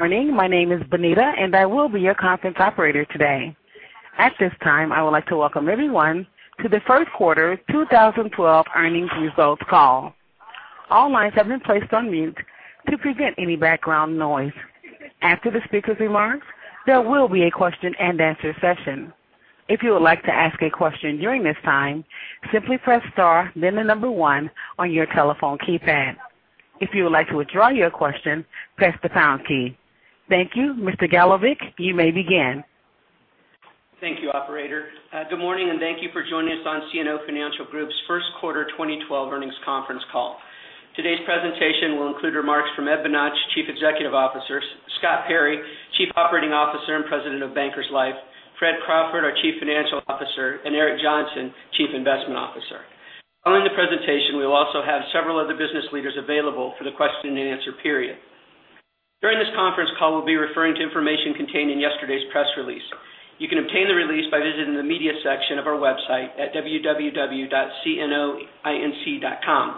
Good morning. My name is Bonita, and I will be your conference operator today. At this time, I would like to welcome everyone to the first quarter 2012 earnings results call. All lines have been placed on mute to prevent any background noise. After the speaker's remarks, there will be a question and answer session. If you would like to ask a question during this time, simply press star then the number 1 on your telephone keypad. If you would like to withdraw your question, press the pound key. Thank you. Mr. Galovic, you may begin. Thank you, operator. Good morning and thank you for joining us on CNO Financial Group's first quarter 2012 earnings conference call. Today's presentation will include remarks from Ed Bonach, Chief Executive Officer, Scott Perry, Chief Operating Officer and President of Bankers Life, Fred Crawford, our Chief Financial Officer, and Eric Johnson, Chief Investment Officer. Following the presentation, we will also have several other business leaders available for the question and answer period. During this conference call, we'll be referring to information contained in yesterday's press release. You can obtain the release by visiting the media section of our website at www.cnoinc.com.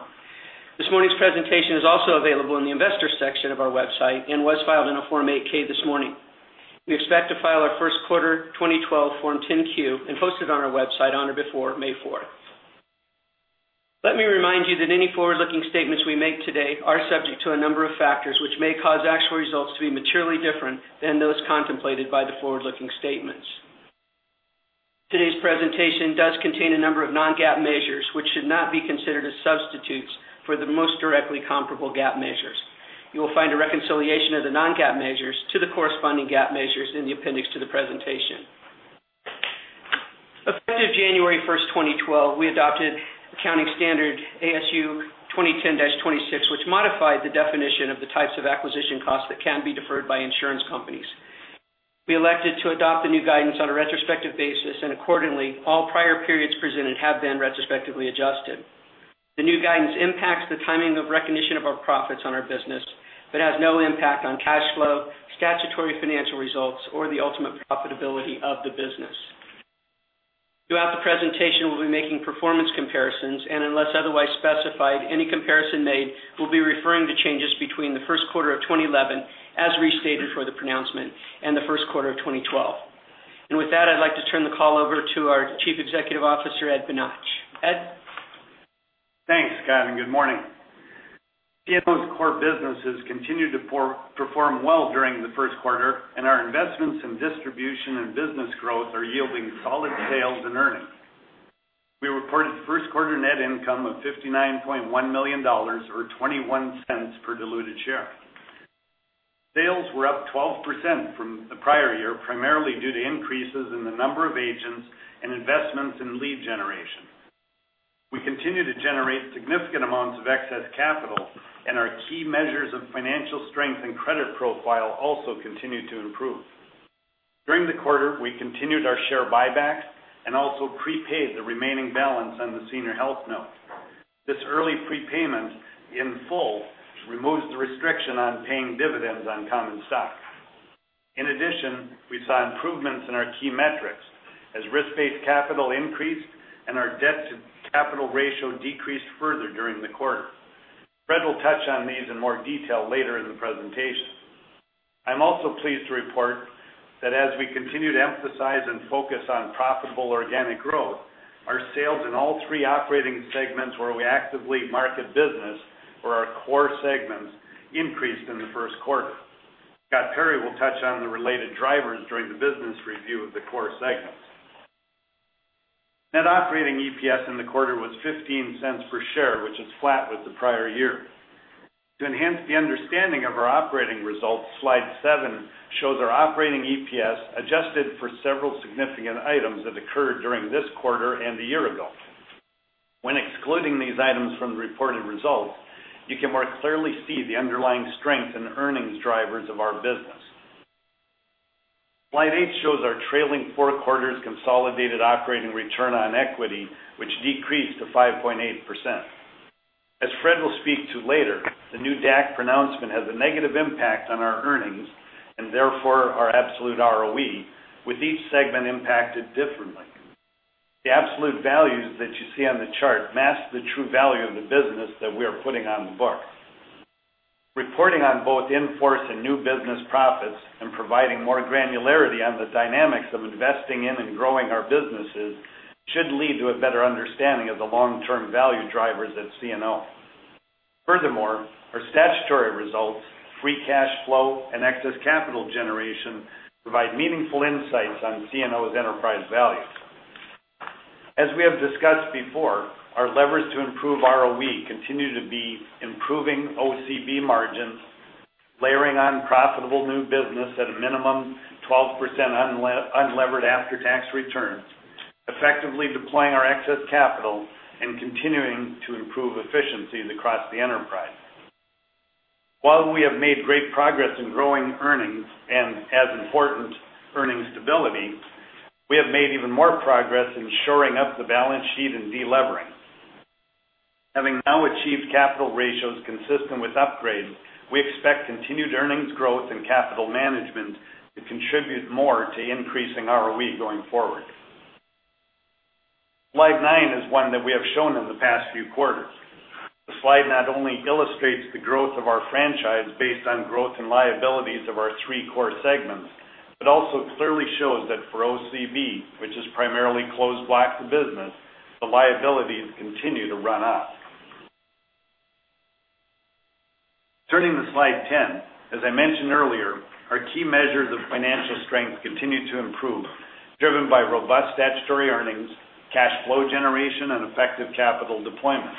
This morning's presentation is also available in the investor section of our website and was filed in a Form 8-K this morning. We expect to file our first quarter 2012 Form 10-Q and post it on our website on or before May 4th. Let me remind you that any forward-looking statements we make today are subject to a number of factors which may cause actual results to be materially different than those contemplated by the forward-looking statements. Today's presentation does contain a number of non-GAAP measures, which should not be considered as substitutes for the most directly comparable GAAP measures. You will find a reconciliation of the non-GAAP measures to the corresponding GAAP measures in the appendix to the presentation. Effective January 1st, 2012, we adopted accounting standard ASU 2010-26, which modified the definition of the types of acquisition costs that can be deferred by insurance companies. We elected to adopt the new guidance on a retrospective basis, and accordingly, all prior periods presented have been retrospectively adjusted. The new guidance impacts the timing of recognition of our profits on our business but has no impact on cash flow, statutory financial results, or the ultimate profitability of the business. Throughout the presentation, we'll be making performance comparisons, and unless otherwise specified, any comparison made will be referring to changes between the first quarter of 2011, as restated for the pronouncement, and the first quarter of 2012. With that, I'd like to turn the call over to our Chief Executive Officer, Ed Bonach. Ed? Thanks, Scott, and good morning. CNO's core businesses continued to perform well during the first quarter, and our investments in distribution and business growth are yielding solid sales and earnings. We reported first quarter net income of $59.1 million, or $0.21 per diluted share. Sales were up 12% from the prior year, primarily due to increases in the number of agents and investments in lead generation. We continue to generate significant amounts of excess capital, and our key measures of financial strength and credit profile also continue to improve. During the quarter, we continued our share buybacks and also prepaid the remaining balance on the Senior Health Note. This early prepayment in full removes the restriction on paying dividends on common stock. In addition, we saw improvements in our key metrics as risk-based capital increased and our debt-to-capital ratio decreased further during the quarter. Fred will touch on these in more detail later in the presentation. I'm also pleased to report that as we continue to emphasize and focus on profitable organic growth, our sales in all three operating segments where we actively market business or our core segments increased in the first quarter. Scott Perry will touch on the related drivers during the business review of the core segments. Net operating EPS in the quarter was $0.15 per share, which is flat with the prior year. To enhance the understanding of our operating results, slide seven shows our operating EPS adjusted for several significant items that occurred during this quarter and a year ago. When excluding these items from the reported results, you can more clearly see the underlying strength and earnings drivers of our business. Slide eight shows our trailing four quarters consolidated operating return on equity, which decreased to 5.8%. As Fred will speak to later, the new DAC pronouncement has a negative impact on our earnings and therefore our absolute ROE, with each segment impacted differently. The absolute values that you see on the chart mask the true value of the business that we are putting on the books. Reporting on both in-force and new business profits and providing more granularity on the dynamics of investing in and growing our businesses should lead to a better understanding of the long-term value drivers at CNO. Furthermore, our statutory results, free cash flow, and excess capital generation provide meaningful insights on CNO's enterprise value. As we have discussed before, our levers to improve ROE continue to be improving OCB margins, layering on profitable new business at a minimum 12% unlevered after-tax returns, effectively deploying our excess capital, and continuing to improve efficiencies across the enterprise. While we have made great progress in growing earnings and, as important, earnings stability, we have made even more progress in shoring up the balance sheet and de-levering. Having now achieved capital ratios consistent with upgrades, we expect continued earnings growth and capital management to contribute more to increasing ROE going forward. Slide nine is one that we have shown in the past few quarters. The slide not only illustrates the growth of our franchise based on growth and liabilities of our three core segments, but also clearly shows that for OCB, which is primarily closed block to business, the liabilities continue to run up. Turning to slide 10, as I mentioned earlier, our key measures of financial strength continue to improve, driven by robust statutory earnings, cash flow generation, and effective capital deployment.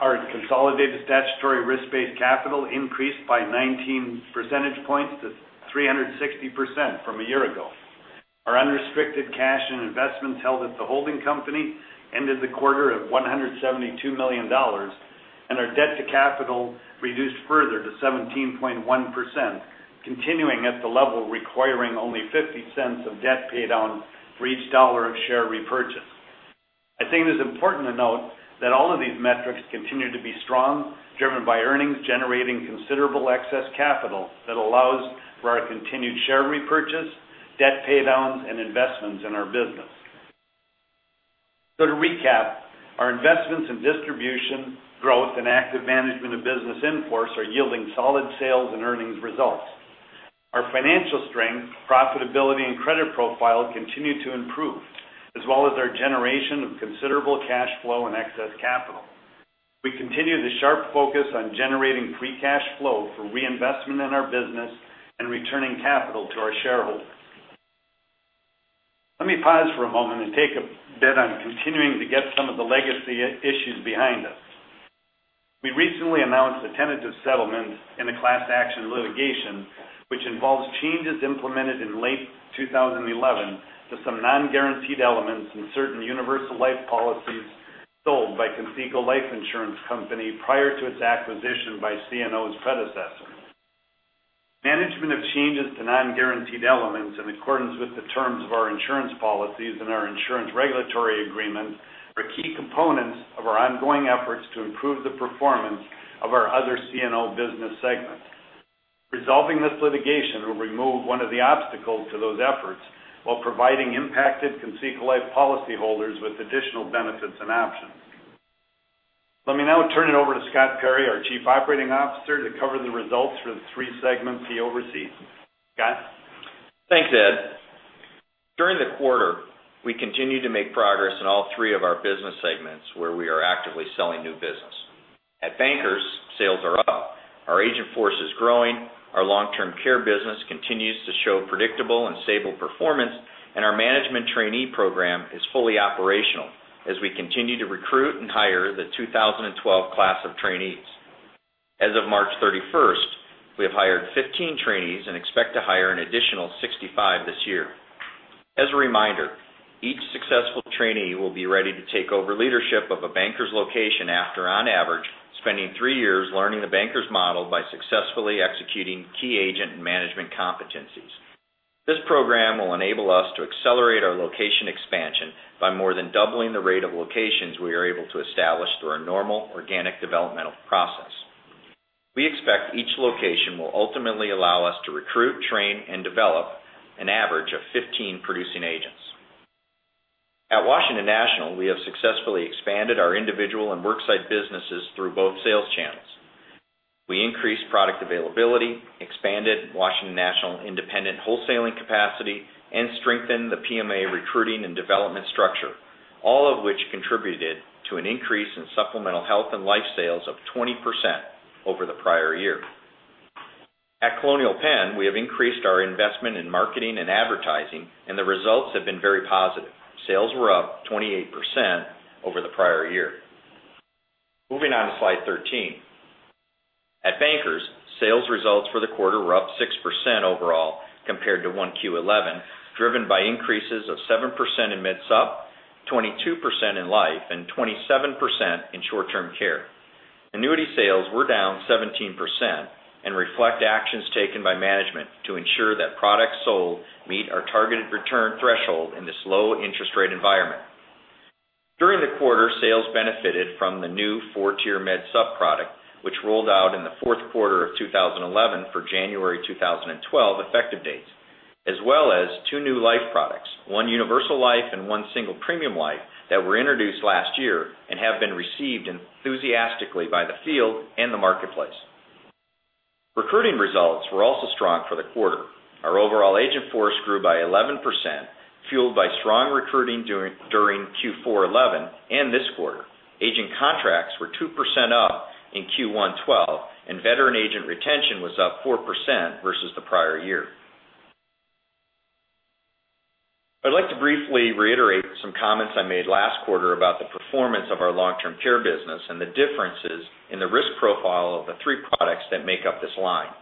Our consolidated statutory risk-based capital increased by 19 percentage points to 360% from a year ago. Our unrestricted cash and investments held at the holding company ended the quarter of $172 million, and our debt to capital reduced further to 17.1%, continuing at the level requiring only $0.50 of debt paid down for each dollar of share repurchase. I think it is important to note that all of these metrics continue to be strong, driven by earnings, generating considerable excess capital that allows for our continued share repurchase, debt paydowns, and investments in our business. To recap, our investments in distribution, growth, and active management of business in force are yielding solid sales and earnings results. Our financial strength, profitability, and credit profile continue to improve, as well as our generation of considerable cash flow and excess capital. We continue the sharp focus on generating free cash flow for reinvestment in our business and returning capital to our shareholders. Let me pause for a moment and take a bit on continuing to get some of the legacy issues behind us. We recently announced a tentative settlement in a class action litigation, which involves changes implemented in late 2011 to some non-guaranteed elements in certain Universal Life policies sold by Conseco Life Insurance Company prior to its acquisition by CNO's predecessor. Management of changes to non-guaranteed elements in accordance with the terms of our insurance policies and our insurance regulatory agreements are key components of our ongoing efforts to improve the performance of our other CNO business segments. Resolving this litigation will remove one of the obstacles to those efforts while providing impacted Conseco Life policyholders with additional benefits and options. Let me now turn it over to Scott Perry, our Chief Operating Officer, to cover the results for the three segments he oversees. Scott? Thanks, Ed. During the quarter, we continued to make progress in all three of our business segments where we are actively selling new business. At Bankers, sales are up. Our agent force is growing. Our long-term care business continues to show predictable and stable performance, and our management trainee program is fully operational as we continue to recruit and hire the 2012 class of trainees. As of March 31st, we have hired 15 trainees and expect to hire an additional 65 this year. As a reminder, each successful trainee will be ready to take over leadership of a Bankers location after, on average, spending three years learning the Bankers model by successfully executing key agent and management competencies. This program will enable us to accelerate our location expansion by more than doubling the rate of locations we are able to establish through our normal organic developmental process. We expect each location will ultimately allow us to recruit, train, and develop an average of 15 producing agents. At Washington National, we have successfully expanded our individual and worksite businesses through both sales channels. We increased product availability, expanded Washington National independent wholesaling capacity, and strengthened the PMA recruiting and development structure, all of which contributed to an increase in supplemental health and life sales of 20% over the prior year. At Colonial Penn, we have increased our investment in marketing and advertising, and the results have been very positive. Sales were up 28% over the prior year. Moving on to slide 13. At Bankers, sales results for the quarter were up 6% overall compared to 1Q11, driven by increases of 7% in Med Supp, 22% in Life, and 27% in Short-Term Care. Annuity sales were down 17% and reflect actions taken by management to ensure that products sold meet our targeted return threshold in this low interest rate environment. During the quarter, sales benefited from the new 4-tier Med Supp product, which rolled out in the fourth quarter of 2011 for January 2012 effective dates, as well as two new Life products, one Universal Life and one Single Premium Life that were introduced last year and have been received enthusiastically by the field and the marketplace. Recruiting results were also strong for the quarter. Our overall agent force grew by 11%, fueled by strong recruiting during Q4 '11 and this quarter. Agent contracts were 2% up in Q1 '12, and veteran agent retention was up 4% versus the prior year. I'd like to briefly reiterate some comments I made last quarter about the performance of our long-term care business and the differences in the risk profile of the three products that make up this line.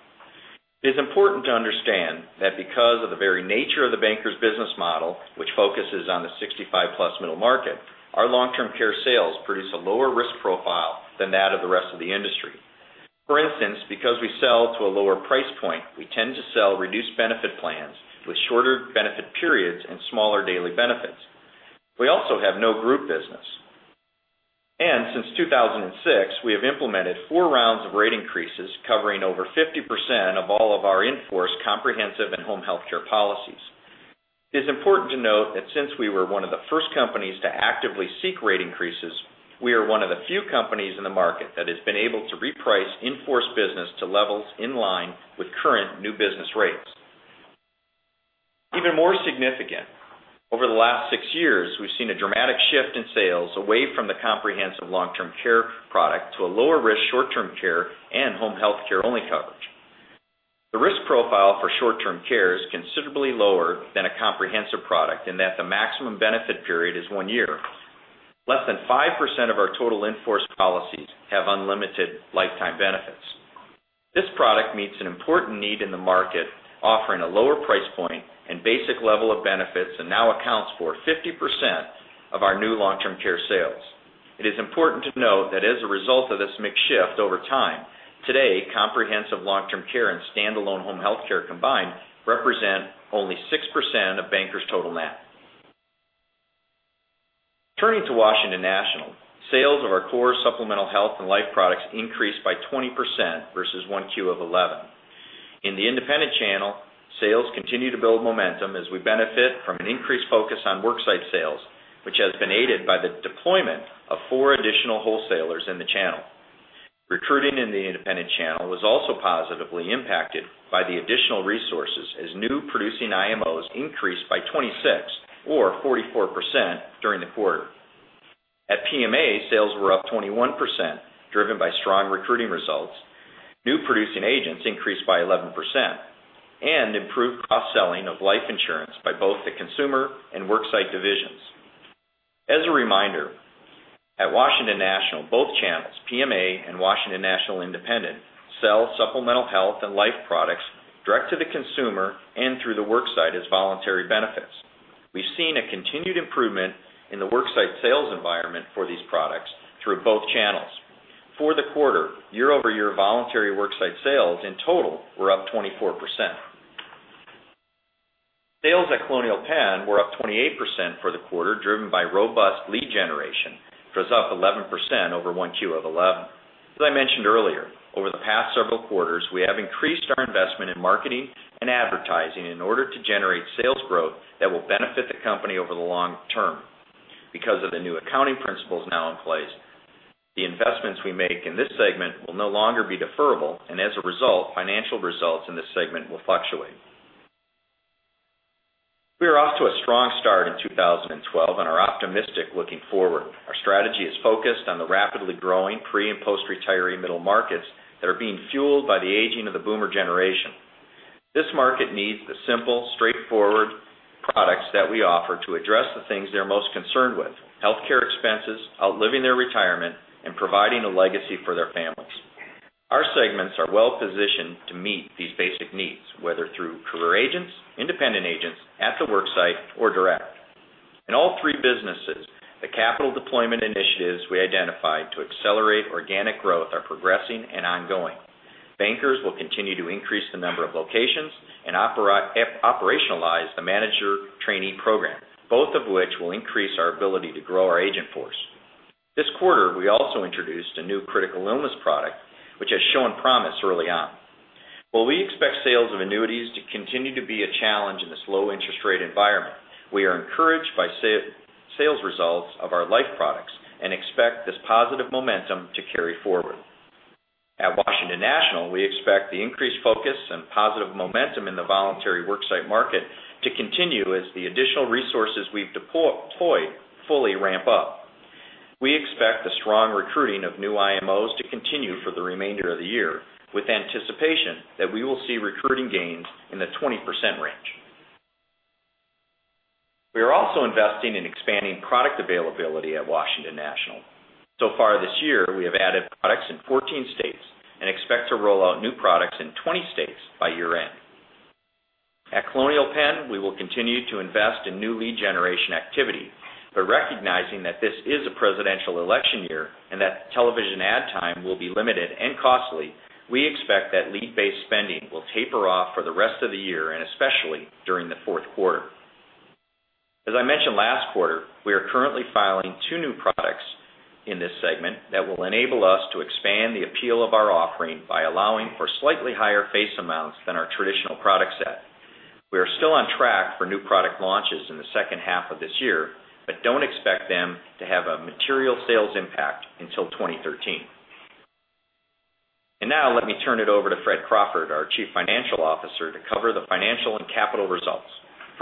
It is important to understand that because of the very nature of the Bankers business model, which focuses on the 65-plus middle market, our long-term care sales produce a lower risk profile than that of the rest of the industry. For instance, because we sell to a lower price point, we tend to sell reduced benefit plans with shorter benefit periods and smaller daily benefits. We also have no group business. Since 2006, we have implemented four rounds of rate increases covering over 50% of all of our in-force comprehensive and home healthcare policies. It is important to note that since we were one of the first companies to actively seek rate increases, we are one of the few companies in the market that has been able to reprice in-force business to levels in line with current new business rates. Even more significant, over the last six years, we've seen a dramatic shift in sales away from the comprehensive long-term care product to a lower risk Short-Term Care and home healthcare-only coverage. The risk profile for Short-Term Care is considerably lower than a comprehensive product in that the maximum benefit period is one year. Less than 5% of our total in-force policies have unlimited lifetime benefits. This product meets an important need in the market, offering a lower price point and basic level of benefits, and now accounts for 50% of our new long-term care sales. It is important to note that as a result of this mix shift over time, today, comprehensive long-term care and standalone home healthcare combined represent only 6% of Bankers' total mix. Turning to Washington National, sales of our core supplemental health and life products increased by 20% versus 1Q of 2011. In the independent channel, sales continue to build momentum as we benefit from an increased focus on worksite sales, which has been aided by the deployment of four additional wholesalers in the channel. Recruiting in the independent channel was also positively impacted by the additional resources as new producing IMOs increased by 26, or 44%, during the quarter. At PMA, sales were up 21%, driven by strong recruiting results. New producing agents increased by 11%, and improved cross-selling of life insurance by both the consumer and worksite divisions. As a reminder, at Washington National, both channels, PMA and Washington National Independent, sell supplemental health and life products direct to the consumer and through the worksite as voluntary benefits. We've seen a continued improvement in the worksite sales environment for these products through both channels. For the quarter, year-over-year voluntary worksite sales in total were up 24%. Sales at Colonial Penn were up 28% for the quarter, driven by robust lead generation, which was up 11% over 1Q of 2011. As I mentioned earlier, over the past several quarters, we have increased our investment in marketing and advertising in order to generate sales growth that will benefit the company over the long term. Because of the new accounting principles now in place, the investments we make in this segment will no longer be deferrable, and as a result, financial results in this segment will fluctuate. We are off to a strong start in 2012 and are optimistic looking forward. Our strategy is focused on the rapidly growing pre- and post-retiree middle markets that are being fueled by the aging of the Boomer generation. This market needs the simple, straightforward products that we offer to address the things they're most concerned with: healthcare expenses, outliving their retirement, and providing a legacy for their families. Our segments are well-positioned to meet these basic needs, whether through career agents, independent agents, at the worksite, or direct. In all three businesses, the capital deployment initiatives we identified to accelerate organic growth are progressing and ongoing. Bankers will continue to increase the number of locations and operationalize the manager trainee program, both of which will increase our ability to grow our agent force. This quarter, we also introduced a new critical illness product, which has shown promise early on. While we expect sales of annuities to continue to be a challenge in this low interest rate environment, we are encouraged by sales results of our life products and expect this positive momentum to carry forward. At Washington National, we expect the increased focus and positive momentum in the voluntary worksite market to continue as the additional resources we've deployed fully ramp up. We expect the strong recruiting of new IMOs to continue for the remainder of the year with anticipation that we will see recruiting gains in the 20% range. We are also investing in expanding product availability at Washington National. So far this year, we have added products in 14 states and expect to roll out new products in 20 states by year end. At Colonial Penn, we will continue to invest in new lead generation activity. Recognizing that this is a presidential election year and that television ad time will be limited and costly, we expect that lead-based spending will taper off for the rest of the year and especially during the fourth quarter. As I mentioned last quarter, we are currently filing two new products in this segment that will enable us to expand the appeal of our offering by allowing for slightly higher face amounts than our traditional product set. We are still on track for new product launches in the second half of this year, but don't expect them to have a material sales impact until 2013. Now let me turn it over to Fred Crawford, our Chief Financial Officer, to cover the financial and capital results.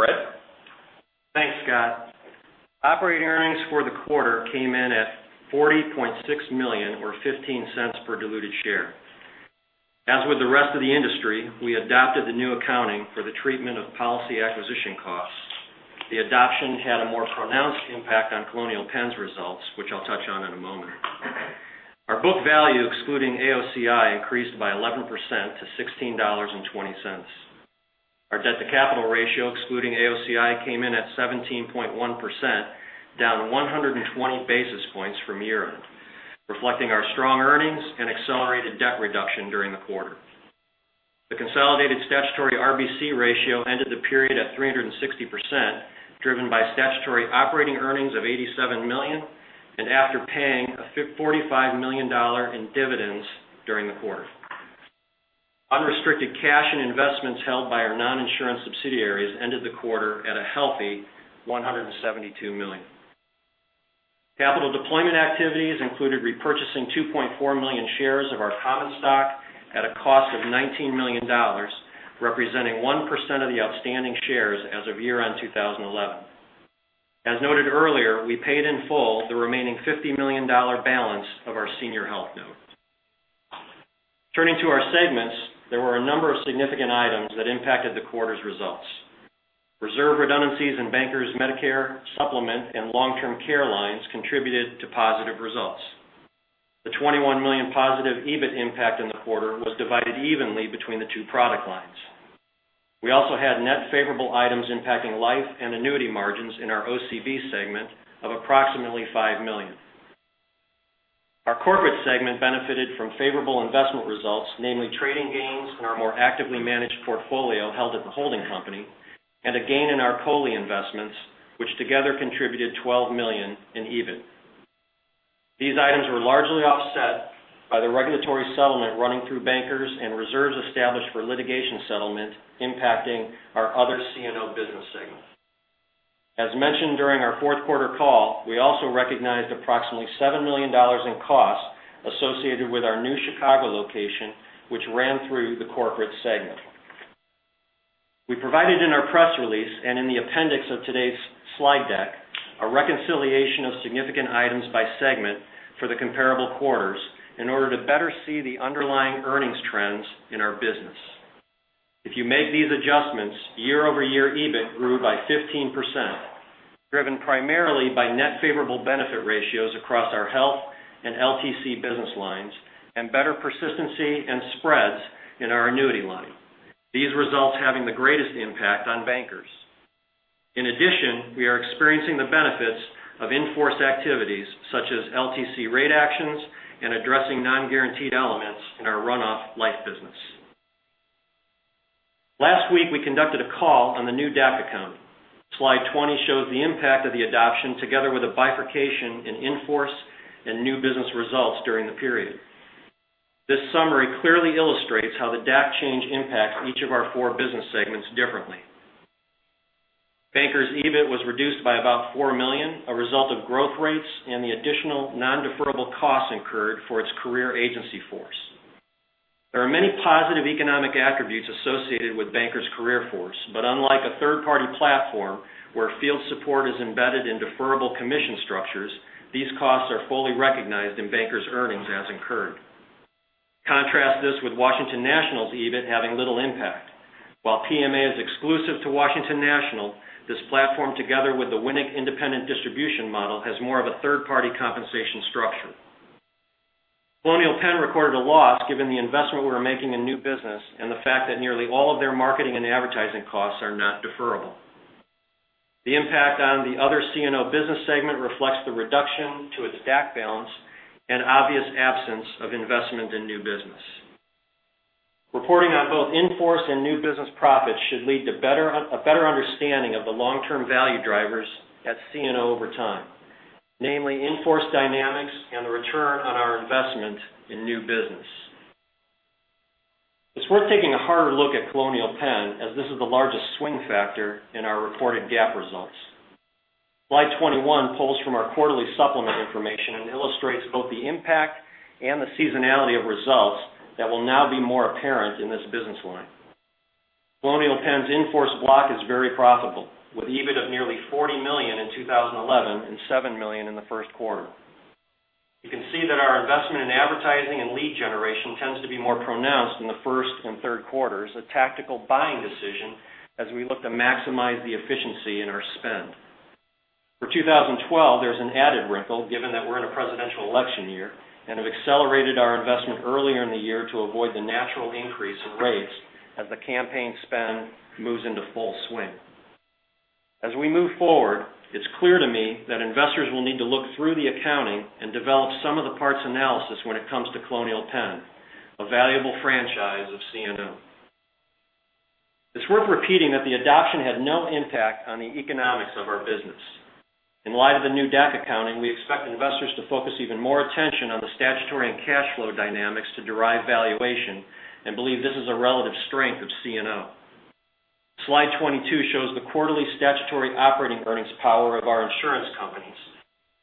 Fred? Thanks, Scott. Operating earnings for the quarter came in at $40.6 million or $0.15 per diluted share. As with the rest of the industry, we adopted the new accounting for the treatment of policy acquisition costs. The adoption had a more pronounced impact on Colonial Penn's results, which I'll touch on in a moment. Our book value, excluding AOCI, increased by 11% to $16.20. Our debt-to-capital ratio, excluding AOCI, came in at 17.1%, down 120 basis points from year-end, reflecting our strong earnings and accelerated debt reduction during the quarter. The consolidated statutory RBC ratio ended the period at 360%, driven by statutory operating earnings of $87 million, and after paying $45 million in dividends during the quarter. Unrestricted cash and investments held by our non-insurance subsidiaries ended the quarter at a healthy $172 million. Capital deployment activities included repurchasing 2.4 million shares of our common stock at a cost of $19 million, representing 1% of the outstanding shares as of year-end 2011. As noted earlier, we paid in full the remaining $50 million balance of our Senior Health Note. Turning to our segments, there were a number of significant items that impacted the quarter's results. Reserve redundancies in Bankers Med Supp and long-term care lines contributed to positive results. The $21 million positive EBIT impact in the quarter was divided evenly between the two product lines. We also had net favorable items impacting life and annuity margins in our OCB segment of approximately $5 million. Our corporate segment benefited from favorable investment results, namely trading gains in our more actively managed portfolio held at the holding company, and a gain in our COLI investments, which together contributed $12 million in EBIT. These items were largely offset by the regulatory settlement running through Bankers and reserves established for litigation settlement impacting our other CNO business segment. As mentioned during our fourth quarter call, we also recognized approximately $7 million in costs associated with our new Chicago location, which ran through the corporate segment. We provided in our press release and in the appendix of today's slide deck, a reconciliation of significant items by segment for the comparable quarters in order to better see the underlying earnings trends in our business. If you make these adjustments, year-over-year EBIT grew by 15%, driven primarily by net favorable benefit ratios across our health and LTC business lines and better persistency and spreads in our annuity line, these results having the greatest impact on Bankers. We are experiencing the benefits of in-force activities such as LTC rate actions and addressing non-guaranteed elements in our run-off life business. Last week, we conducted a call on the new DAC account. Slide 20 shows the impact of the adoption together with a bifurcation in in-force and new business results during the period. This summary clearly illustrates how the DAC change impacts each of our four business segments differently. Bankers' EBIT was reduced by about $4 million, a result of growth rates and the additional non-deferrable costs incurred for its career agency force. There are many positive economic attributes associated with Bankers career force, but unlike a third-party platform where field support is embedded in deferrable commission structures, these costs are fully recognized in Bankers' earnings as incurred. Contrast this with Washington National's EBIT having little impact. PMA is exclusive to Washington National, this platform, together with the Winnick independent distribution model, has more of a third-party compensation structure. Colonial Penn recorded a loss given the investment we're making in new business and the fact that nearly all of their marketing and advertising costs are not deferrable. The impact on the other CNO business segment reflects the reduction to its DAC balance and obvious absence of investment in new business. Reporting on both in-force and new business profits should lead to a better understanding of the long-term value drivers at CNO over time, namely in-force dynamics and the return on our investment in new business. It's worth taking a harder look at Colonial Penn, as this is the largest swing factor in our reported GAAP results. Slide 21 pulls from our quarterly supplement information and illustrates both the impact and the seasonality of results that will now be more apparent in this business line. Colonial Penn's in-force block is very profitable, with EBIT of nearly $40 million in 2011 and $7 million in the first quarter. You can see that our investment in advertising and lead generation tends to be more pronounced in the first and third quarters, a tactical buying decision as we look to maximize the efficiency in our spend. For 2012, there's an added wrinkle given that we're in a presidential election year and have accelerated our investment earlier in the year to avoid the natural increase in rates as the campaign spend moves into full swing. We move forward, it's clear to me that investors will need to look through the accounting and develop some of the parts analysis when it comes to Colonial Penn, a valuable franchise of CNO. It's worth repeating that the adoption had no impact on the economics of our business. In light of the new DAC accounting, we expect investors to focus even more attention on the statutory and cash flow dynamics to derive valuation and believe this is a relative strength of CNO. Slide 22 shows the quarterly statutory operating earnings power of our insurance companies.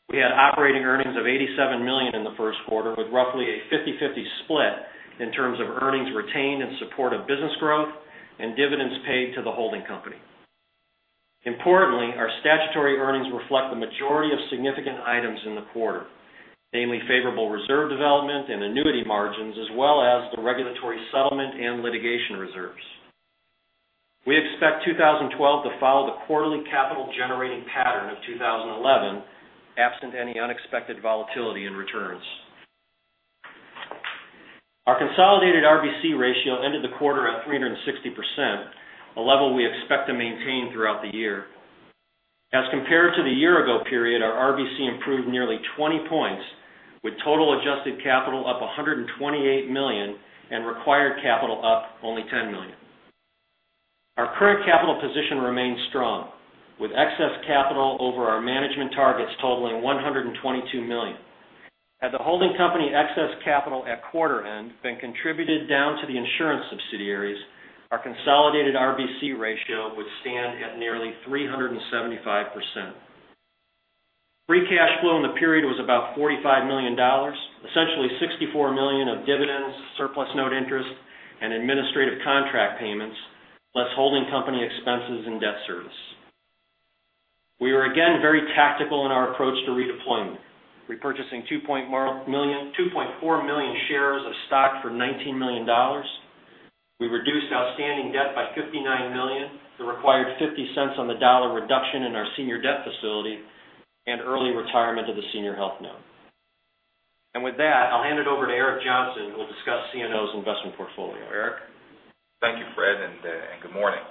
We had operating earnings of $87 million in the first quarter, with roughly a 50/50 split in terms of earnings retained in support of business growth and dividends paid to the holding company. Importantly, our statutory earnings reflect the majority of significant items in the quarter, namely favorable reserve development and annuity margins, as well as the regulatory settlement and litigation reserves. We expect 2012 to follow the quarterly capital-generating pattern of 2011, absent any unexpected volatility in returns. Our consolidated RBC ratio ended the quarter at 360%, a level we expect to maintain throughout the year. As compared to the year-ago period, our RBC improved nearly 20 points, with total adjusted capital up $128 million and required capital up only $10 million. Our current capital position remains strong, with excess capital over our management targets totaling $122 million. Had the holding company excess capital at quarter end been contributed down to the insurance subsidiaries, our consolidated RBC ratio would stand at nearly 375%. Free cash flow in the period was about $45 million, essentially $64 million of dividends, surplus note interest, and administrative contract payments, less holding company expenses and debt service. We are again very tactical in our approach to redeployment. Repurchasing 2.4 million shares of stock for $19 million. We reduced outstanding debt by $59 million. The required $0.50 on the dollar reduction in our senior debt facility and early retirement of the Senior Health Note. With that, I'll hand it over to Eric Johnson, who will discuss CNO's investment portfolio. Eric? Thank you, Fred, and good morning.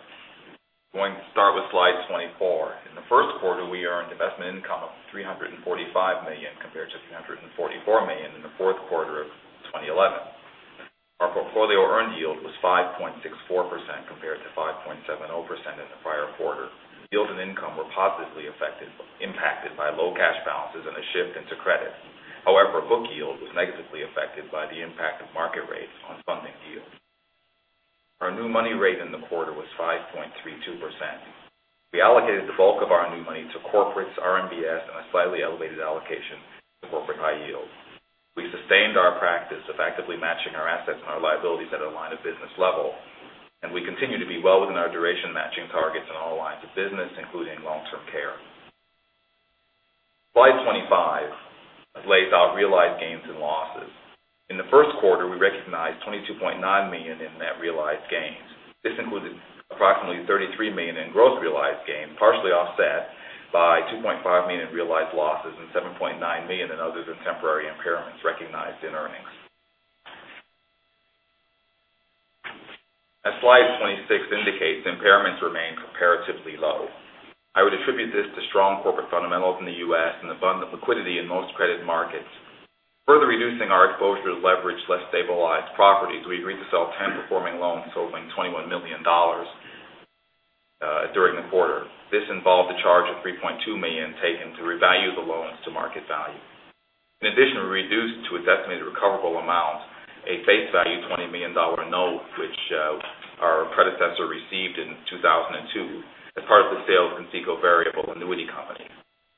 I'm going to start with slide 24. In the first quarter, we earned investment income of $345 million compared to $344 million in the fourth quarter of 2011. Our portfolio earned yield was 5.64% compared to 5.70% in the prior quarter. Yield and income were positively impacted by low cash balances and a shift into credit. However, book yield was negatively affected by the impact of market rates on funding yield. Our new money rate in the quarter was 5.32%. We allocated the bulk of our new money to corporates, RMBS, and a slightly elevated allocation to corporate high yield. We sustained our practice effectively matching our assets and our liabilities at a line of business level, and we continue to be well within our duration matching targets in all lines of business, including long-term care. Slide 25 lays out realized gains and losses. In the first quarter, we recognized $22.9 million in net realized gains. This included approximately $33 million in gross realized gains, partially offset by $2.5 million realized losses and $7.9 million in others and temporary impairments recognized in earnings. As slide 26 indicates, impairments remain comparatively low. I would attribute this to strong corporate fundamentals in the U.S. and abundant liquidity in most credit markets. Further reducing our exposure to leveraged, less stabilized properties, we agreed to sell 10 performing loans totaling $21 million during the quarter. This involved a charge of $3.2 million taken to revalue the loans to market value. In addition, we reduced to a designated recoverable amount a face value $20 million note, which our predecessor received in 2002 as part of the sale of Conseco Variable Insurance Company.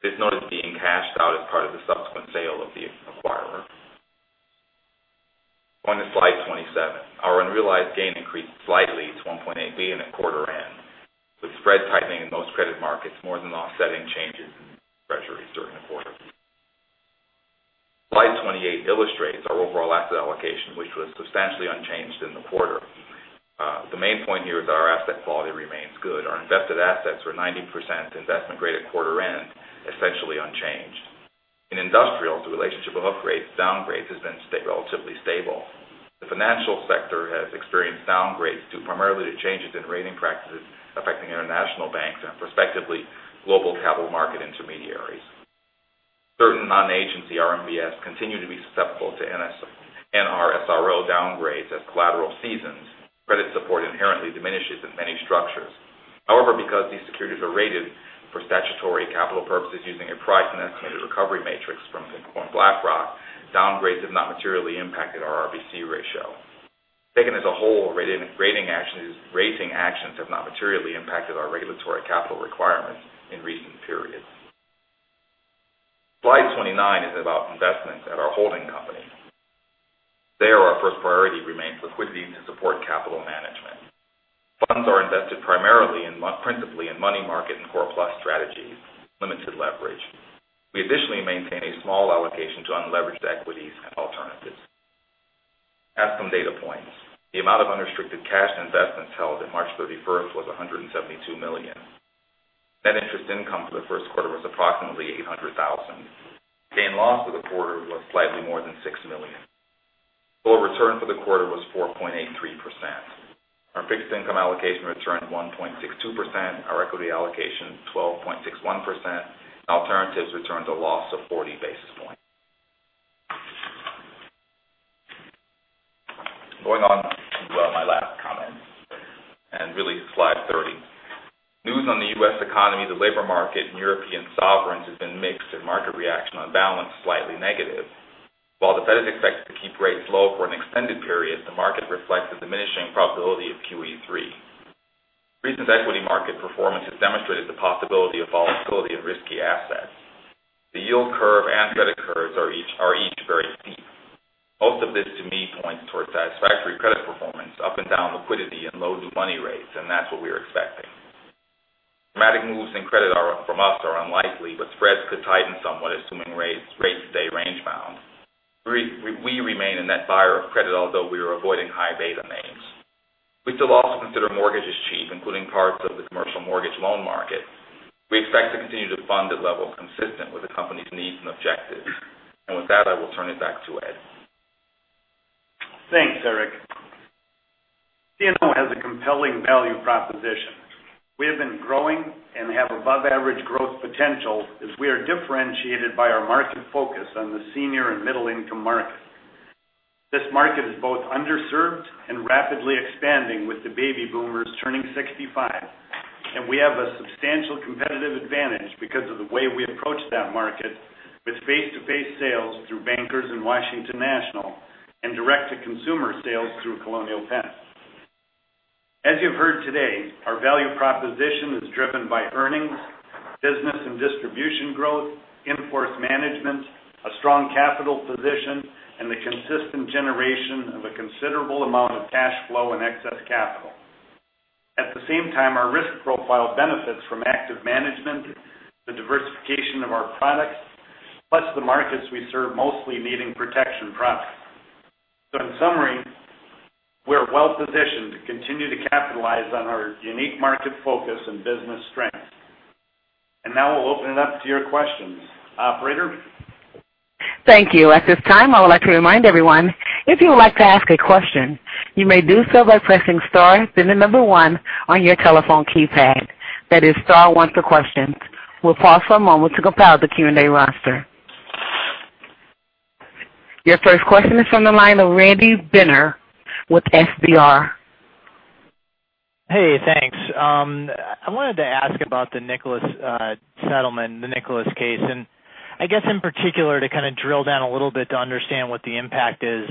This note is being cashed out as part of the subsequent sale of the acquirer. Slide 27. Our unrealized gain increased slightly to $1.8 billion at quarter end, with spread tightening in most credit markets more than offsetting changes in Treasuries during the quarter. Slide 28 illustrates our overall asset allocation, which was substantially unchanged in the quarter. The main point here is that our asset quality remains good. Our invested assets were 90% investment grade at quarter end, essentially unchanged. In industrials, the relationship of upgrades/downgrades has been relatively stable. The financial sector has experienced downgrades due primarily to changes in rating practices affecting international banks and perspectively global capital market intermediaries. Certain non-agency RMBS continue to be susceptible to NRSRO downgrades as collateral seasons, credit support inherently diminishes in many structures. However, because these securities are rated for statutory capital purposes using a price and estimated recovery matrix from BlackRock, downgrades have not materially impacted our RBC ratio. Taken as a whole, rating actions have not materially impacted our regulatory capital requirements in recent periods. Slide 29 is about investments at our holding company. There, our first priority remains liquidity to support capital management. Funds are invested principally in money market and core plus strategies, limited leverage. We additionally maintain a small allocation to unleveraged equities and alternatives. As some data points, the amount of unrestricted cash and investments held at March 31st was $172 million. Net interest income for the first quarter was approximately $800,000. Gain loss for the quarter was slightly more than $6 million. Total return for the quarter was 4.83%. Our fixed income allocation returned 1.62%, our equity allocation, 12.61%, and alternatives returned a loss of 40 basis points. Going on to my last comment and really slide 30. News on the U.S. economy, the labor market, and European sovereigns has been mixed and market reaction on balance slightly negative. While the Fed is expected to keep rates low for an extended period, the market reflects the diminishing probability of QE3. Recent equity market performance has demonstrated the possibility of volatility of risky assets. The yield curve and credit curves are each very steep. Most of this to me points towards satisfactory credit performance, up and down liquidity and low new money rates, and that's what we're expecting. Dramatic moves in credit from us are unlikely, spreads could tighten somewhat assuming rates stay range bound. We remain a net buyer of credit, although we are avoiding high beta names. We still also consider mortgages cheap, including parts of the commercial mortgage loan market. We expect to continue to fund at levels consistent with the company's needs and objectives. With that, I will turn it back to Ed. Thanks, Eric. CNO has a compelling value proposition. We have been growing and have above-average growth potential as we are differentiated by our market focus on the senior and middle-income market. This market is both underserved and rapidly expanding with the baby boomers turning 65. We have a substantial competitive advantage because of the way we approach that market with face-to-face sales through Bankers and Washington National and direct-to-consumer sales through Colonial Penn. As you've heard today, our value proposition is driven by earnings, business and distribution growth, in-force management, a strong capital position, and the consistent generation of a considerable amount of cash flow and excess capital. At the same time, our risk profile benefits from active management, the diversification of our products, plus the markets we serve mostly needing protection products. In summary, we're well-positioned to continue to capitalize on our unique market focus and business strengths. Now we'll open it up to your questions. Operator? Thank you. At this time, I would like to remind everyone, if you would like to ask a question, you may do so by pressing star, then the number 1 on your telephone keypad. That is star 1 for questions. We'll pause for a moment to compile the Q&A roster. Your first question is from the line of Randy Binner with FBR. Hey, thanks. I wanted to ask about the Nicholas settlement, the Nicholas case, and I guess in particular, to kind of drill down a little bit to understand what the impact is.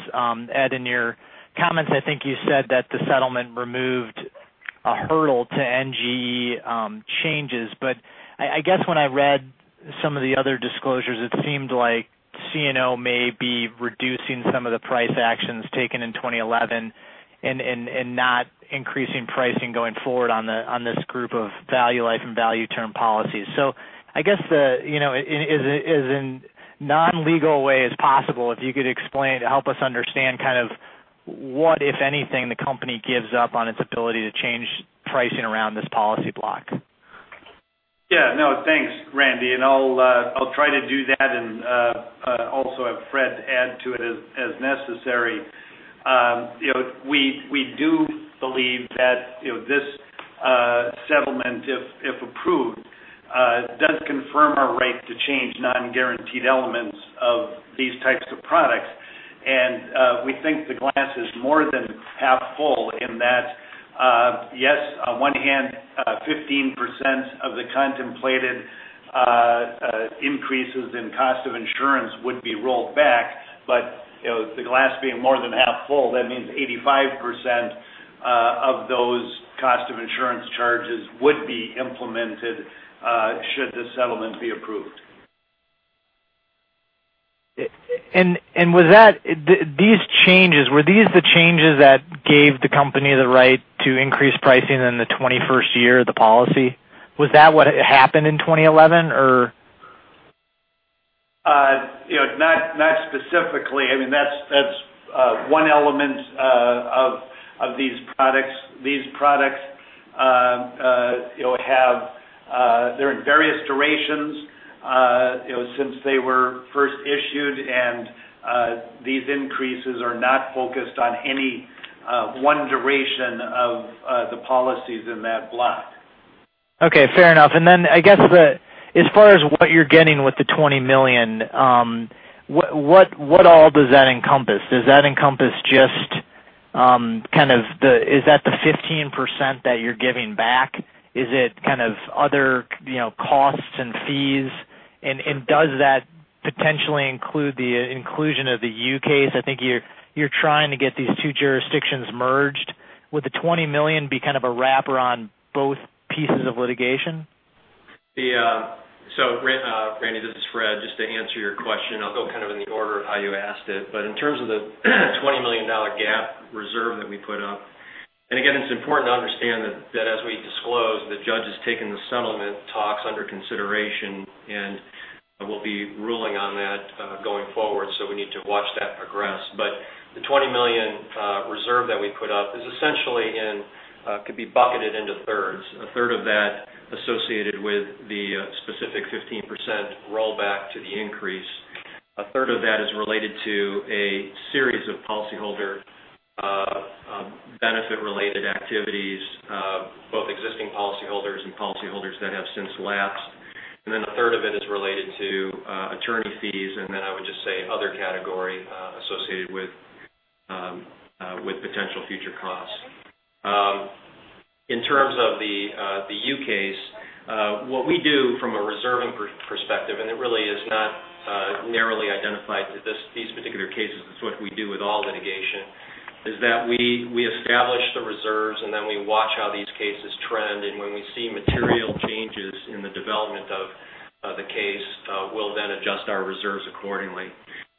Ed, in your comments, I think you said that the settlement removed a hurdle to NGE changes, but I guess when I read some of the other disclosures, it seemed like CNO may be reducing some of the price actions taken in 2011 and not increasing pricing going forward on this group of Valulife and Valuterm policies. I guess, in as non-legal way as possible, if you could explain to help us understand what, if anything, the company gives up on its ability to change pricing around this policy block. Thanks, Randy, and I'll try to do that and also have Fred add to it as necessary. We do believe that this settlement, if approved, does confirm our right to change non-guaranteed elements of these types of products, and we think the glass is more than half full in that, yes, on one hand, 15% of the contemplated increases in cost of insurance would be rolled back, but the glass being more than half full, that means 85% of those cost of insurance charges would be implemented should the settlement be approved. These changes, were these the changes that gave the company the right to increase pricing in the 21st year of the policy? Was that what happened in 2011 or? Not specifically. I mean, that's one element of these products. These products, they're in various durations since they were first issued, these increases are not focused on any one duration of the policies in that block. Okay, fair enough. I guess the, as far as what you're getting with the $20 million, what all does that encompass? Does that encompass just the, is that the 15% that you're giving back? Is it kind of other costs and fees? Does that potentially include the inclusion of the Yue case? I think you're trying to get these two jurisdictions merged. Would the $20 million be kind of a wrapper on both pieces of litigation? Randy, this is Fred. Just to answer your question, I will go kind of in the order of how you asked it. In terms of the $20 million GAAP reserve that we put up, and again, it is important to understand that as we disclose, the judge has taken the settlement talks under consideration, and will be ruling on that going forward, so we need to watch that progress. The $20 million reserve that we put up is essentially could be bucketed into thirds. A third of that associated with the specific 15% rollback to the increase. A third of that is related to a series of policyholder benefit-related activities, both existing policyholders and policyholders that have since lapsed. A third of it is related to attorney fees, other category associated with potential future costs. In terms of the Yue case, what we do from a reserving perspective, and it really is not narrowly identified to these particular cases, it is what we do with all litigation, is that we establish the reserves, we watch how these cases trend, when we see material changes in the development of the case, we will adjust our reserves accordingly.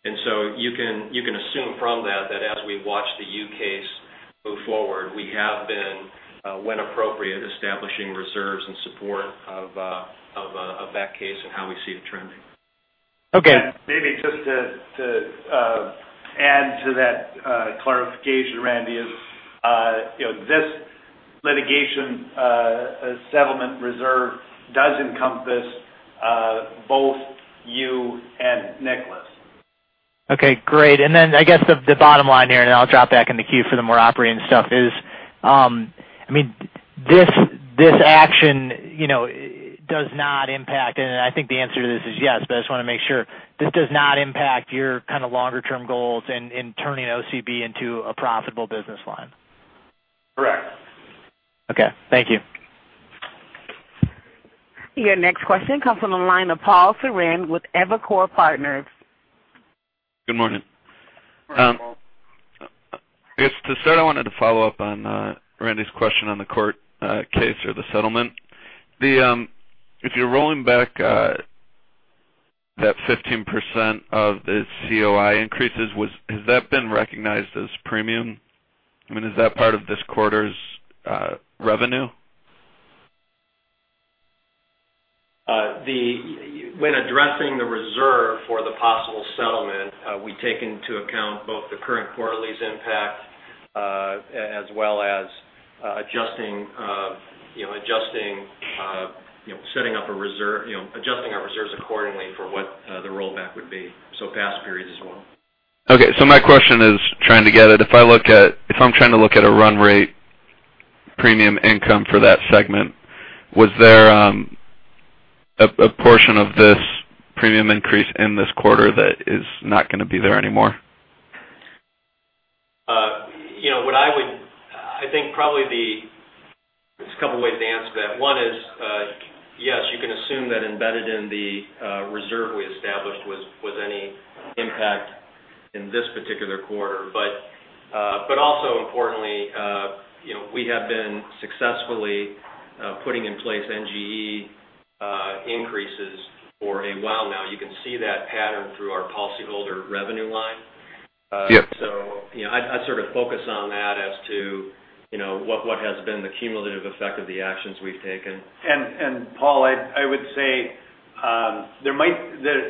You can assume from that as we watch the Yue case move forward, we have been, when appropriate, establishing reserves in support of that case and how we see it trending. Okay. Maybe just to add to that clarification, Randy, this litigation a settlement reserve does encompass both Yue and Nicholas. Okay, great. I guess the bottom line here, and I will drop back in the queue for the more operating stuff is, this action does not impact, and I think the answer to this is yes, but I just want to make sure. This does not impact your kind of longer-term goals in turning OCB into a profitable business line. Correct. Okay. Thank you. Your next question comes from the line of Paul Suran with Evercore Partners. Good morning. Good morning, Paul. I guess to start, I wanted to follow up on Randy Binner's question on the court case or the settlement. If you're rolling back that 15% of the COI increases, has that been recognized as premium? I mean, is that part of this quarter's revenue? When addressing the reserve for the possible settlement, we take into account both the current quarterly's impact as well as adjusting our reserves accordingly for what the rollback would be, so past periods as well. Okay. My question is trying to get it. If I'm trying to look at a run rate premium income for that segment, was there a portion of this premium increase in this quarter that is not going to be there anymore? There's a couple of ways to answer that. One is yes, you can assume that embedded in the reserve we established was any impact in this particular quarter. Also importantly, we have been successfully putting in place NGE increases for a while now. You can see that pattern through our policyholder revenue line. Yeah. I sort of focus on that as to what has been the cumulative effect of the actions we've taken. Paul, I would say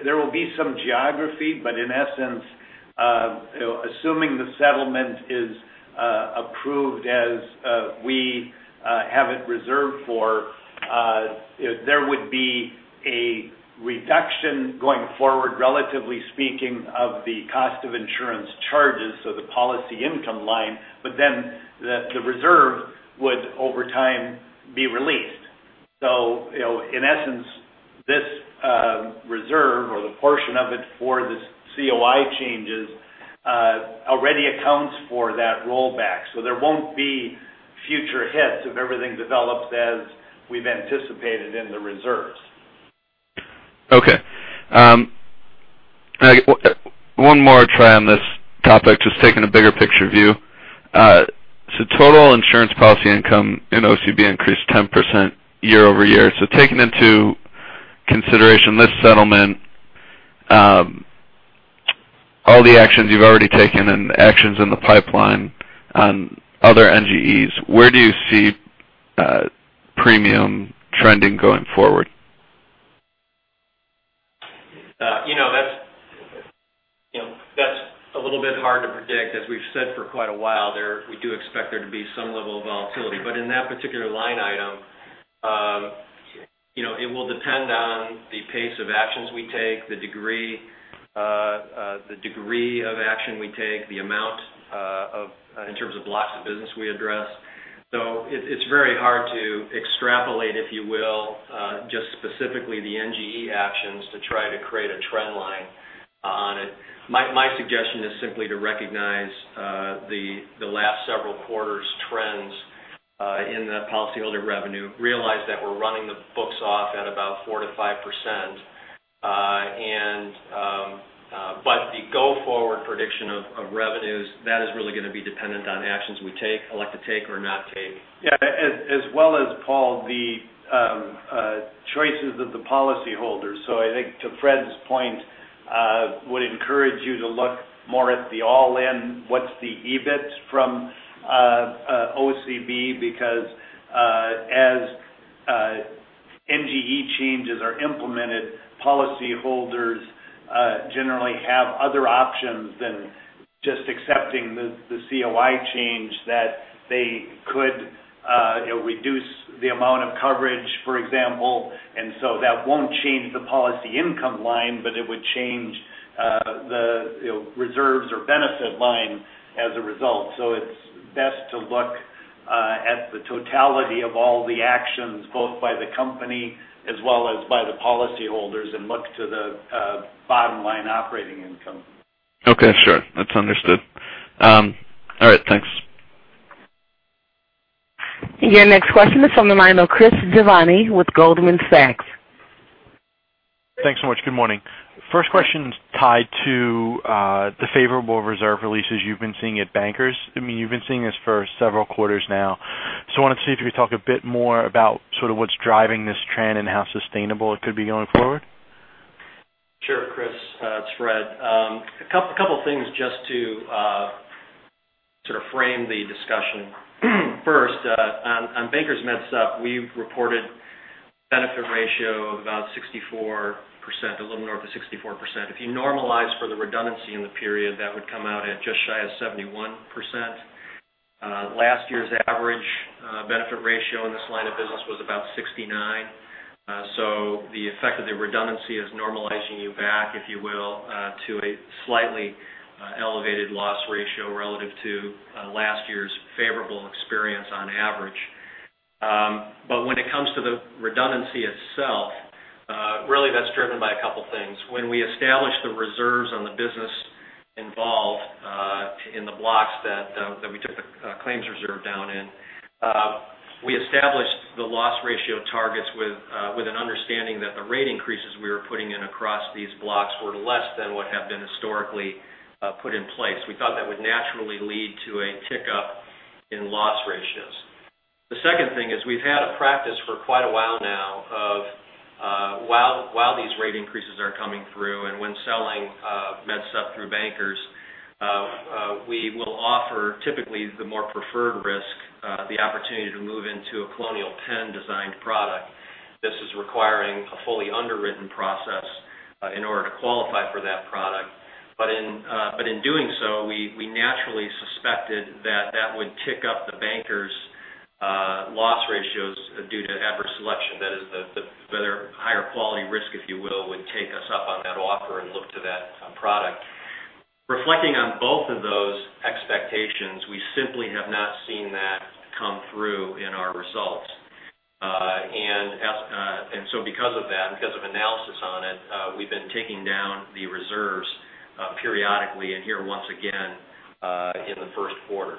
there will be some geography, but in essence, assuming the settlement is approved as we have it reserved for, there would be a reduction going forward, relatively speaking, of the cost of insurance charges, so the policy income line, but then the reserve would over time be released. In essence, this reserve or the portion of it for the COI changes already accounts for that rollback. There won't be future hits if everything develops as we've anticipated in the reserves. Okay. One more try on this topic, just taking a bigger picture view. Total insurance policy income in OCB increased 10% year-over-year. Taking into consideration this settlement, all the actions you've already taken and actions in the pipeline on other NGEs, where do you see premium trending going forward? That's a little bit hard to predict. As we've said for quite a while there, we do expect there to be some level of volatility. In that particular line item, it will depend on the pace of actions we take, the degree of action we take, the amount in terms of blocks of business we address. It's very hard to extrapolate, if you will, just specifically the NGE actions to try to create a trend line on it. My suggestion is simply to recognize the last several quarters trends in the policyholder revenue, realize that we're running the books off at about 4%-5%. The go forward prediction of revenues, that is really going to be dependent on actions we take, elect to take or not take. Yeah. As well as, Paul, the choices of the policyholders. I think to Fred's point, would encourage you to look more at the all-in, what's the EBIT from OCB, because as NGE changes are implemented, policyholders generally have other options than just accepting the COI change that they could reduce the amount of coverage, for example, and so that won't change the policy income line, but it would change the reserves or benefit line as a result. It's best to look at the totality of all the actions, both by the company as well as by the policyholders, and look to the bottom line operating income. Okay, sure. That's understood. All right. Thanks. Your next question is from the line of Chris Giovanni with Goldman Sachs. Thanks so much. Good morning. First question's tied to the favorable reserve releases you've been seeing at Bankers. I mean, you've been seeing this for several quarters now. I wanted to see if you could talk a bit more about sort of what's driving this trend and how sustainable it could be going forward. Sure, Chris. It's Fred. A couple of things just to sort of frame the discussion. First, on Bankers Med Supp, we've reported Benefit ratio of about 64%, a little north of 64%. If you normalize for the redundancy in the period, that would come out at just shy of 71%. Last year's average benefit ratio in this line of business was about 69%. The effect of the redundancy is normalizing you back, if you will, to a slightly elevated loss ratio relative to last year's favorable experience on average. When it comes to the redundancy itself, really that's driven by two things. When we established the reserves on the business involved in the blocks that we took the claims reserve down in, we established the loss ratio targets with an understanding that the rate increases we were putting in across these blocks were less than what have been historically put in place. We thought that would naturally lead to a tick-up in loss ratios. The second thing is we've had a practice for quite a while now of while these rate increases are coming through and when selling Med Supp through Bankers Life, we will offer, typically the more preferred risk, the opportunity to move into a Colonial Penn designed product. This is requiring a fully underwritten process in order to qualify for that product. In doing so, we naturally suspected that that would tick up the Bankers Life's loss ratios due to adverse selection. That is the higher quality risk, if you will, would take us up on that offer and look to that product. Reflecting on both of those expectations, we simply have not seen that come through in our results. Because of that, because of analysis on it, we've been taking down the reserves periodically and here once again, in the first quarter.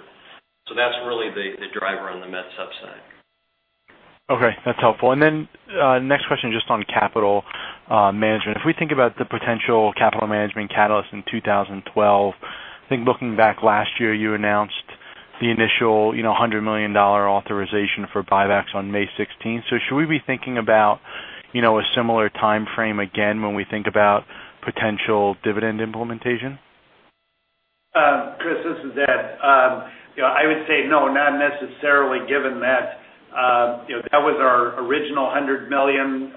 That's really the driver on the Med Supp side. Okay. That's helpful. Next question, just on capital management. If we think about the potential capital management catalyst in 2012, I think looking back last year, you announced the initial $100 million authorization for buybacks on May 16th. Should we be thinking about a similar timeframe again when we think about potential dividend implementation? Chris, this is Ed. I would say no, not necessarily, given that was our original $100 million.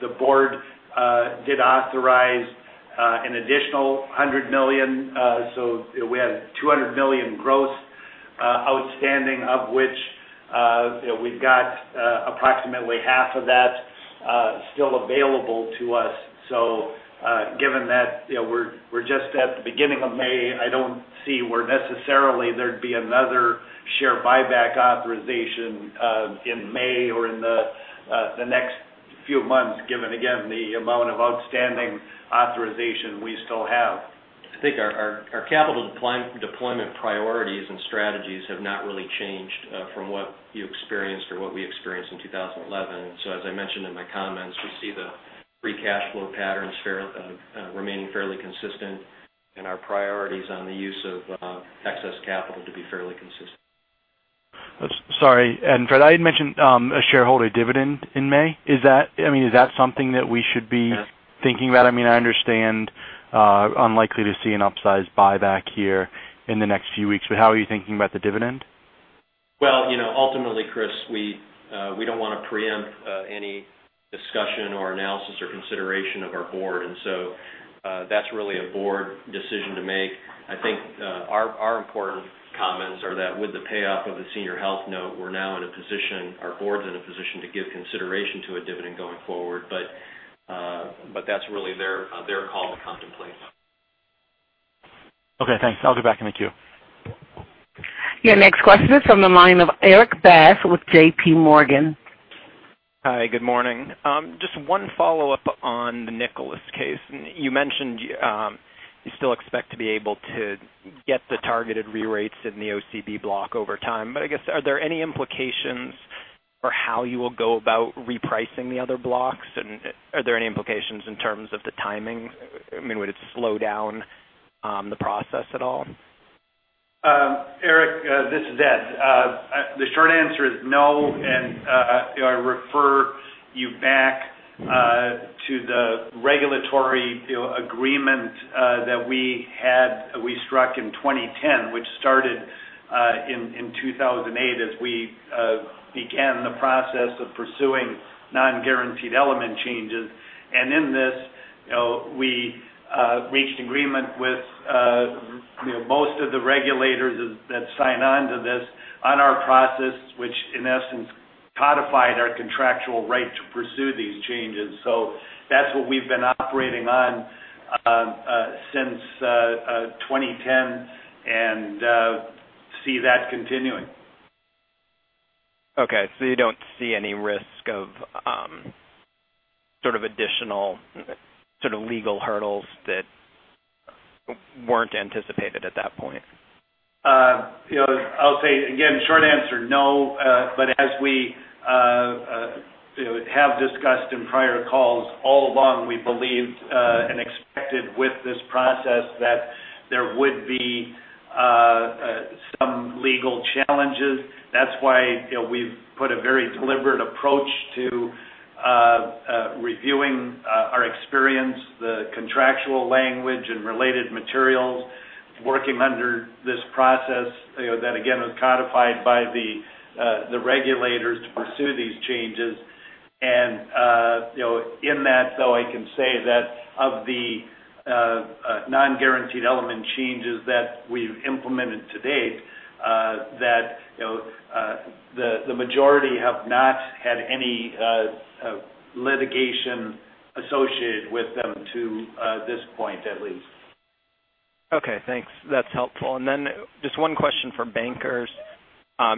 The board did authorize an additional $100 million. We had $200 million gross outstanding, of which we've got approximately half of that still available to us. Given that we're just at the beginning of May, I don't see where necessarily there'd be another share buyback authorization in May or in the next few months, given, again, the amount of outstanding authorization we still have. I think our capital deployment priorities and strategies have not really changed from what you experienced or what we experienced in 2011. As I mentioned in my comments, we see the free cash flow patterns remaining fairly consistent and our priorities on the use of excess capital to be fairly consistent. Sorry. Fred, I had mentioned a shareholder dividend in May. Is that something that we should be thinking about? I understand unlikely to see an upsized buyback here in the next few weeks, but how are you thinking about the dividend? Well, ultimately, Chris, we don't want to preempt any discussion or analysis or consideration of our board. That's really a board decision to make. I think our important comments are that with the payoff of the Senior Health Note, our board's in a position to give consideration to a dividend going forward. That's really their call to contemplate. Okay, thanks. I'll go back in the queue. Your next question is on the line of Erik Bass with J.P. Morgan. Hi, good morning. Just one follow-up on the Nicholas case. You mentioned you still expect to be able to get the targeted re-rates in the OCB block over time. I guess, are there any implications for how you will go about repricing the other blocks? Are there any implications in terms of the timing? Would it slow down the process at all? Erik, this is Ed. The short answer is no, I refer you back to the regulatory agreement that we struck in 2010, which started in 2008 as we began the process of pursuing non-guaranteed element changes. In this, we reached agreement with most of the regulators that sign on to this on our process, which in essence codified our contractual right to pursue these changes. That's what we've been operating on since 2010 and see that continuing. Okay, you don't see any risk of sort of additional sort of legal hurdles that weren't anticipated at that point? I'll say, again, short answer, no. As we have discussed in prior calls all along, we believed and expected with this process that there would be some legal challenges. That's why we've put a very deliberate approach to reviewing our experience, the contractual language and related materials, working under this process that again is codified by the regulators to pursue these changes. In that, though, I can say that of the non-guaranteed element changes that we've implemented to date, that the majority have not had any litigation associated with them to this point, at least. Okay, thanks. That's helpful. Just one question for Bankers.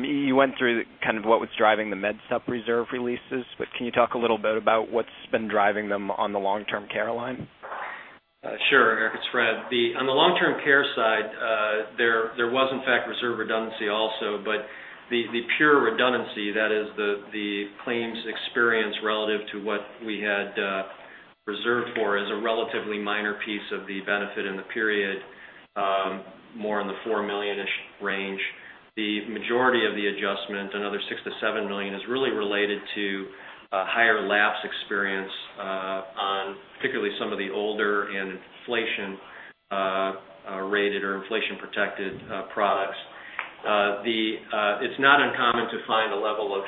You went through what was driving the Med Supp reserve releases, but can you talk a little bit about what's been driving them on the long-term care line? Sure, Erik, it's Fred. On the long-term care side, there was in fact reserve redundancy also, but the pure redundancy, that is the claims experience relative to what we had reserved for, is a relatively minor piece of the benefit in the period, more in the $4 million-ish range. The majority of the adjustment, another $6 million-$7 million, is really related to higher lapse experience on particularly some of the older and inflation-rated or inflation-protected products. It's not uncommon to find a level of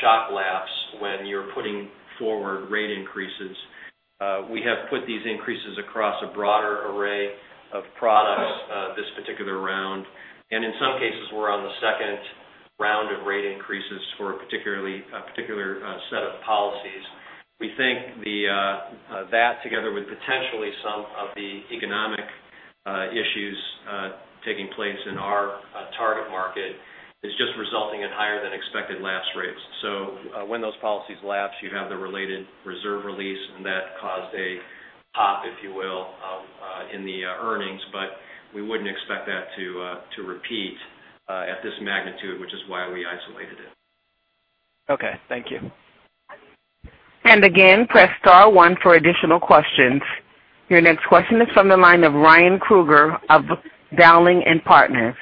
shock lapse when you're putting forward rate increases. We have put these increases across a broader array of products this particular round, and in some cases, we're on the second round of rate increases for a particular set of policies. We think that together with potentially some of the economic issues taking place in our target market, is just resulting in higher than expected lapse rates. When those policies lapse, you have the related reserve release, and that caused a pop, if you will, in the earnings. We wouldn't expect that to repeat at this magnitude, which is why we isolated it. Okay. Thank you. Again, press star one for additional questions. Your next question is from the line of Ryan Krueger of Dowling & Partners.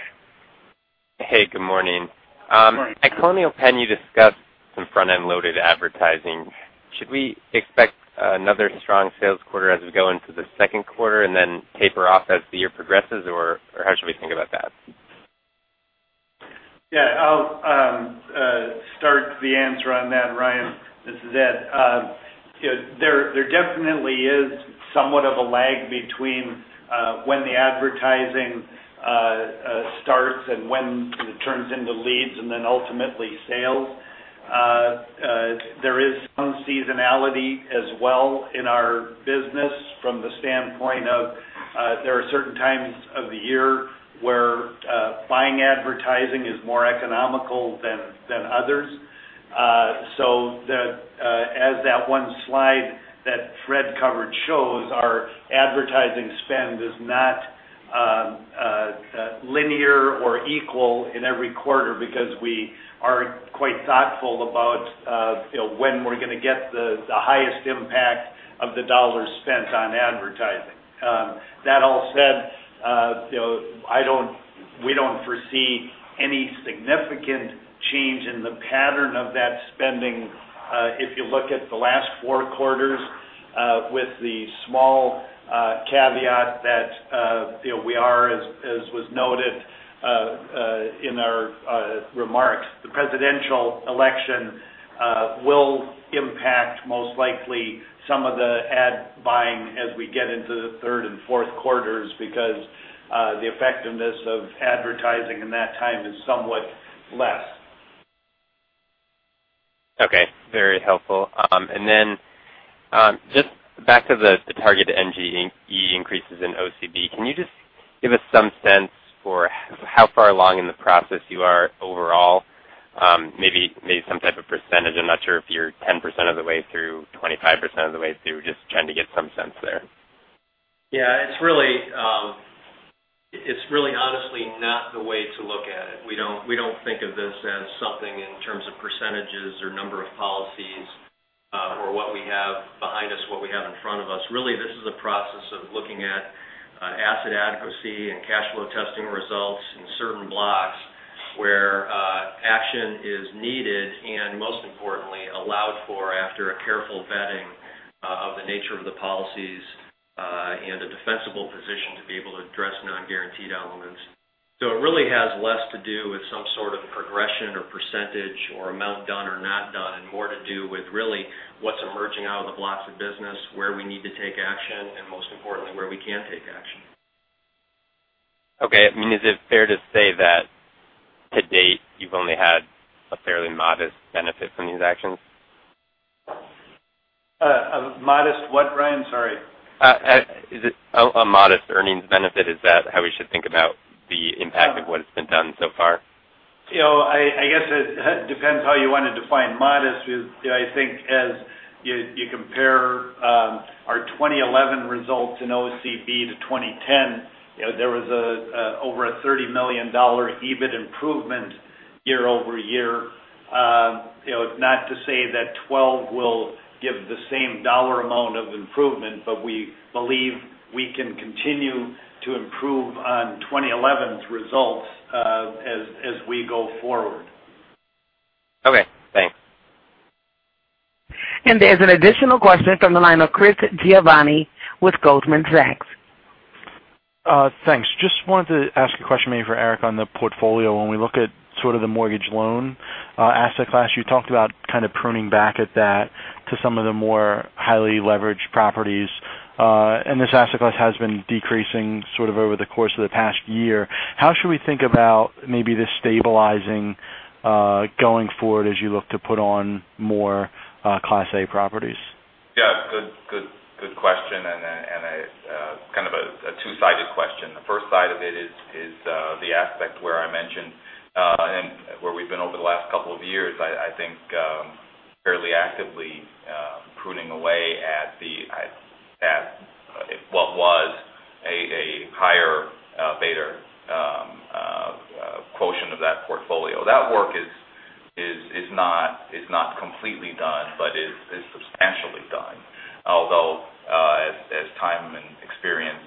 Hey, good morning. Morning. At Colonial Penn, you discussed some front-end loaded advertising. Should we expect another strong sales quarter as we go into the second quarter and then taper off as the year progresses, or how should we think about that? Yeah. I'll start the answer on that, Ryan. This is Ed. There definitely is somewhat of a lag between when the advertising starts and when it turns into leads and then ultimately sales. There is some seasonality as well in our business from the standpoint of there are certain times of the year where buying advertising is more economical than others. As that one slide that Fred covered shows, our advertising spend is not linear or equal in every quarter because we are quite thoughtful about when we're going to get the highest impact of the dollars spent on advertising. That all said, we don't foresee any significant change in the pattern of that spending. If you look at the last four quarters with the small caveat that we are, as was noted in our remarks, the presidential election will impact most likely some of the ad buying as we get into the third and fourth quarters because the effectiveness of advertising in that time is somewhat less. Okay. Very helpful. Then just back to the targeted NGE increases in OCB. Can you just give us some sense for how far along in the process you are overall? Maybe some type of percentage. I'm not sure if you're 10% of the way through, 25% of the way through. Just trying to get some sense there. Yeah, it's really honestly not the way to look at it. We don't think of this as something in terms of percentages or number of policies or what we have behind us, what we have in front of us. Really, this is a process of looking at asset adequacy and cash flow testing results in certain blocks where action is needed, and most importantly, allowed for after a careful vetting of the nature of the policies, and a defensible position to be able to address non-guaranteed elements. It really has less to do with some sort of progression or percentage or amount done or not done, and more to do with really what's emerging out of the blocks of business, where we need to take action, and most importantly, where we can take action. Okay. Is it fair to say that to date, you've only had a fairly modest benefit from these actions? A modest what, Ryan? Sorry. Is it a modest earnings benefit? Is that how we should think about the impact of what has been done so far? I guess it depends how you want to define modest. I think as you compare our 2011 results in OCB to 2010, there was over a $30 million EBIT improvement year-over-year. Not to say that 2012 will give the same dollar amount of improvement, but we believe we can continue to improve on 2011's results as we go forward. Okay, thanks. There's an additional question from the line of Chris Giovanni with Goldman Sachs. Thanks. Just wanted to ask a question maybe for Eric on the portfolio. When we look at sort of the mortgage loan asset class, you talked about kind of pruning back at that to some of the more highly leveraged properties. This asset class has been decreasing sort of over the course of the past year. How should we think about maybe this stabilizing, going forward as you look to put on more Class A properties? Yeah. Good question, and kind of a two-sided question. The first side of it is the aspect where I mentioned, and where we've been over the last couple of years, I think fairly actively pruning away at what was a higher beta quotient of that portfolio. That work is not completely done, but is substantially done. Although, as time and experience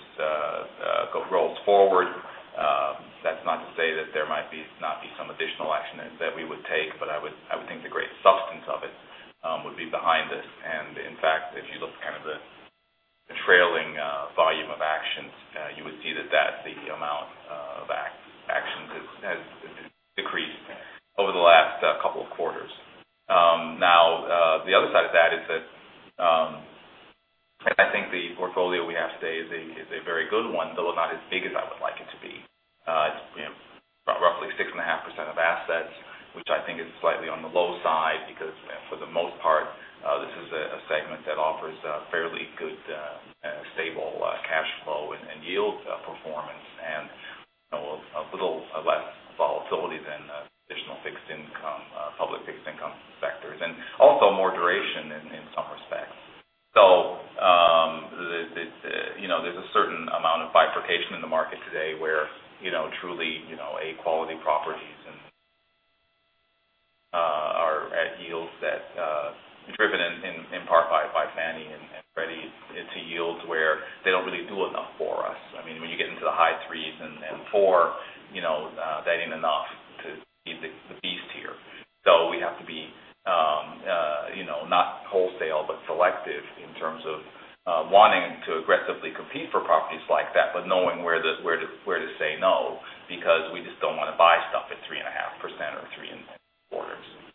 rolls forward, that's not to say that there might not be some additional action that we would take. I would think the great substance of it would be behind us. In fact, if you look kind of the trailing volume of actions, you would see that the amount of actions has decreased over the last couple of quarters. The other side of that is that I think the portfolio we have today is a very good one, though not as big as I would like it to be. It's roughly 6.5% of assets, which I think is slightly on the low side because, for the most part, this is a segment that offers fairly good stable cash flow and yield performance, and a little less volatility than traditional fixed income, public fixed income sectors. Also more duration in some respects. There's a certain amount of bifurcation in the market today where truly A quality properties are at yields that are driven in part by Fannie and Freddie into yields where they don't really do enough for us. When you get into the high threes and four, that ain't enough to feed the beast here. We have to be not wholesale, but selective in terms of wanting to aggressively compete for properties like that, but knowing where to say no, because we just don't want to buy stuff at 3.5% or 3.75%,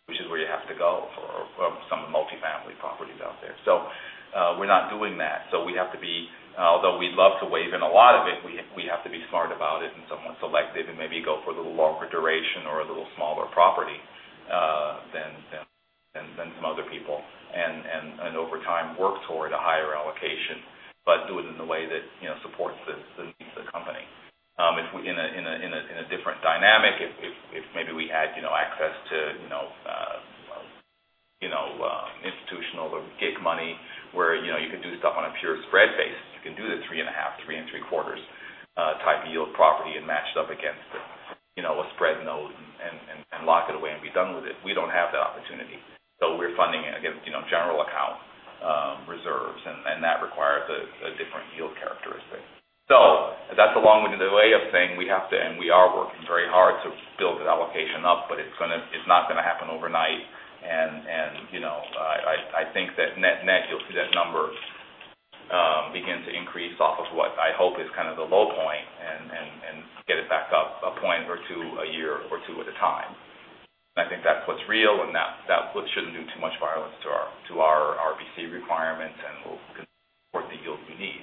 which is where you have to go for some of the multifamily properties out there. We're not doing that. Although we'd love to weigh in a lot of it, we have to be smart about it and somewhat selective and maybe go for the longer duration or a little smaller property than some other people. Over time, work toward a higher allocation, but do it in a way that supports the needs of the company. In a different dynamic, if maybe we had access to institutional or gig money where you could do stuff on a pure spread basis, you can do the 3.5%, 3.75% type yield property and match it up against a spread note and lock it away and be done with it. We don't have that opportunity. We're funding against general account reserves, and that requires a different yield characteristic. That's a long-winded way of saying we have to, and we are working very hard to build that allocation up, but it's not going to happen overnight. I think that net-net, you'll see that number begin to increase off of what I hope is kind of the low point and get it back up a point or two a year or two at a time. I think that puts real that shouldn't do too much violence to our RBC requirements, and we'll support the yields we need.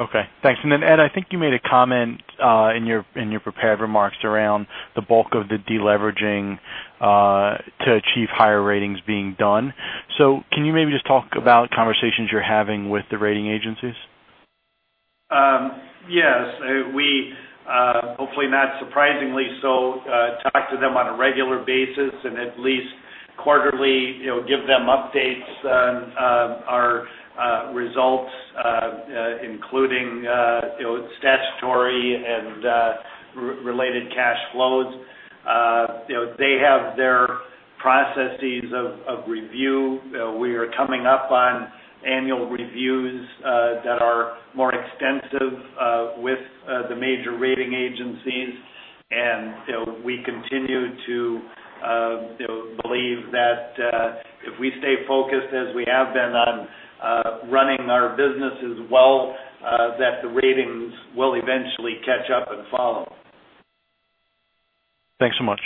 Okay, thanks. Ed, I think you made a comment in your prepared remarks around the bulk of the de-leveraging to achieve higher ratings being done. Can you maybe just talk about conversations you're having with the rating agencies? Yes. We, hopefully not surprisingly so, talk to them on a regular basis and at least quarterly give them updates on our results, including statutory and related cash flows. They have their processes of review. We are coming up on annual reviews that are more extensive with the major rating agencies. We continue to believe that if we stay focused as we have been on running our businesses well, that the ratings will eventually catch up and follow. Thanks so much.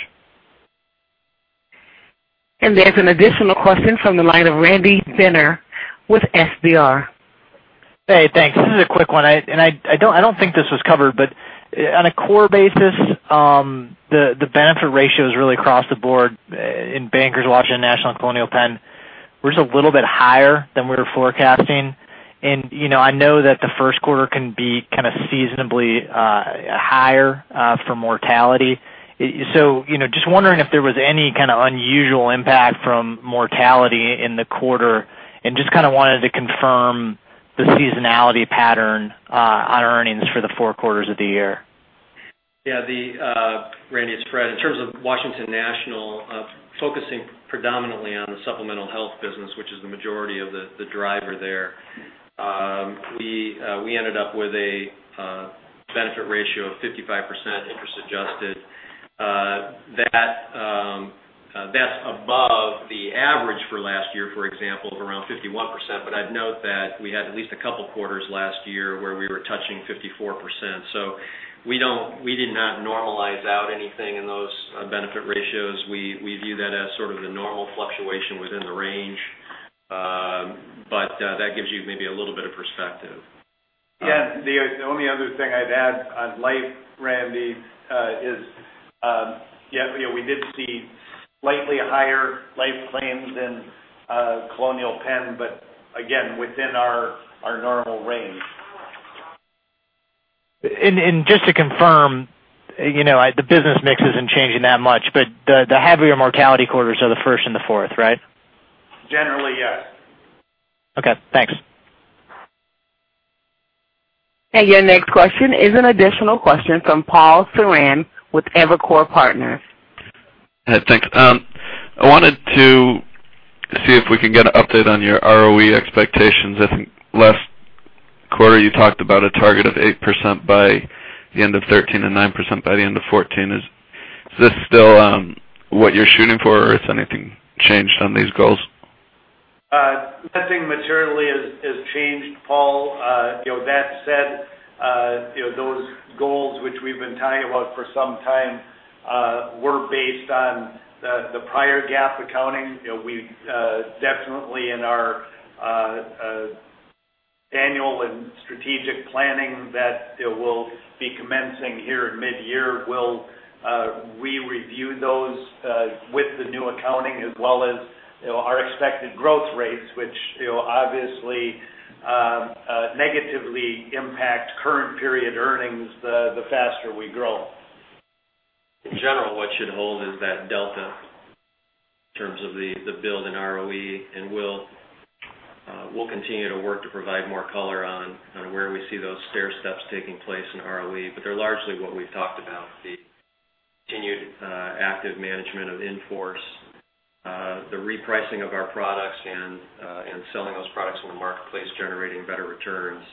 There's an additional question from the line of Randy Binner with FBR. Hey, thanks. This is a quick one. I don't think this was covered, but on a core basis the benefit ratio is really across the board in Bankers, Washington National, Colonial Penn, was a little bit higher than we were forecasting. I know that the first quarter can be kind of seasonably higher for mortality. Just wondering if there was any kind of unusual impact from mortality in the quarter, and just kind of wanted to confirm the seasonality pattern on earnings for the four quarters of the year. Yeah. Randy, it's Fred. In terms of Washington National, focusing predominantly on the supplemental health business, which is the majority of the driver there. We ended up with a Benefit ratio of 55%, interest adjusted. That's above the average for last year, for example, of around 51%. I'd note that we had at least a couple of quarters last year where we were touching 54%. We did not normalize out anything in those benefit ratios. We view that as sort of the normal fluctuation within the range. That gives you maybe a little bit of perspective. Yes. The only other thing I'd add on life, Randy, is we did see slightly higher life claims in Colonial Penn, but again, within our normal range. Just to confirm, the business mix isn't changing that much, but the heavier mortality quarters are the first and the fourth, right? Generally, yes. Okay, thanks. Your next question is an additional question from Paul Suran with Evercore Partners. Thanks. I wanted to see if we can get an update on your ROE expectations. I think last quarter you talked about a target of 8% by the end of 2013 and 9% by the end of 2014. Is this still what you're shooting for or has anything changed on these goals? Nothing materially has changed, Paul. That said, those goals which we've been talking about for some time, were based on the prior GAAP accounting. We definitely, in our annual and strategic planning that will be commencing here in mid-year, will re-review those with the new accounting as well as our expected growth rates, which obviously negatively impact current period earnings the faster we grow. In general, what should hold is that delta in terms of the build in ROE. We'll continue to work to provide more color on where we see those stairsteps taking place in ROE. They're largely what we've talked about, the continued active management of in-force, the repricing of our products, and selling those products in the marketplace, generating better returns.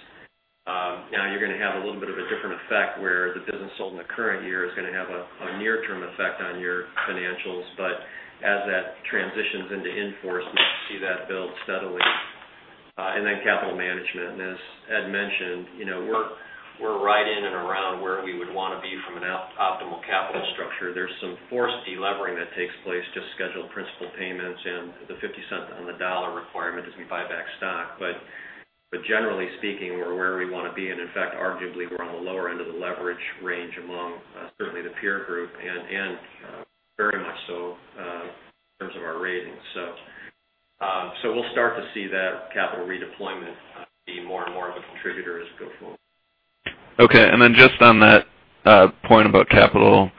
You're going to have a little bit of a different effect where the business sold in the current year is going to have a near-term effect on your financials. As that transitions into in-force, we should see that build steadily, and then capital management. As Ed mentioned, we're right in and around where we would want to be from an optimal capital structure. There's some forced de-levering that takes place, just scheduled principal payments and the $0.50 on the dollar requirement as we buy back stock. Generally speaking, we're where we want to be. In fact, arguably, we're on the lower end of the leverage range among certainly the peer group, and very much so in terms of our ratings. We'll start to see that capital redeployment be more and more of a contributor as we go forward. Okay. Just on that point about capital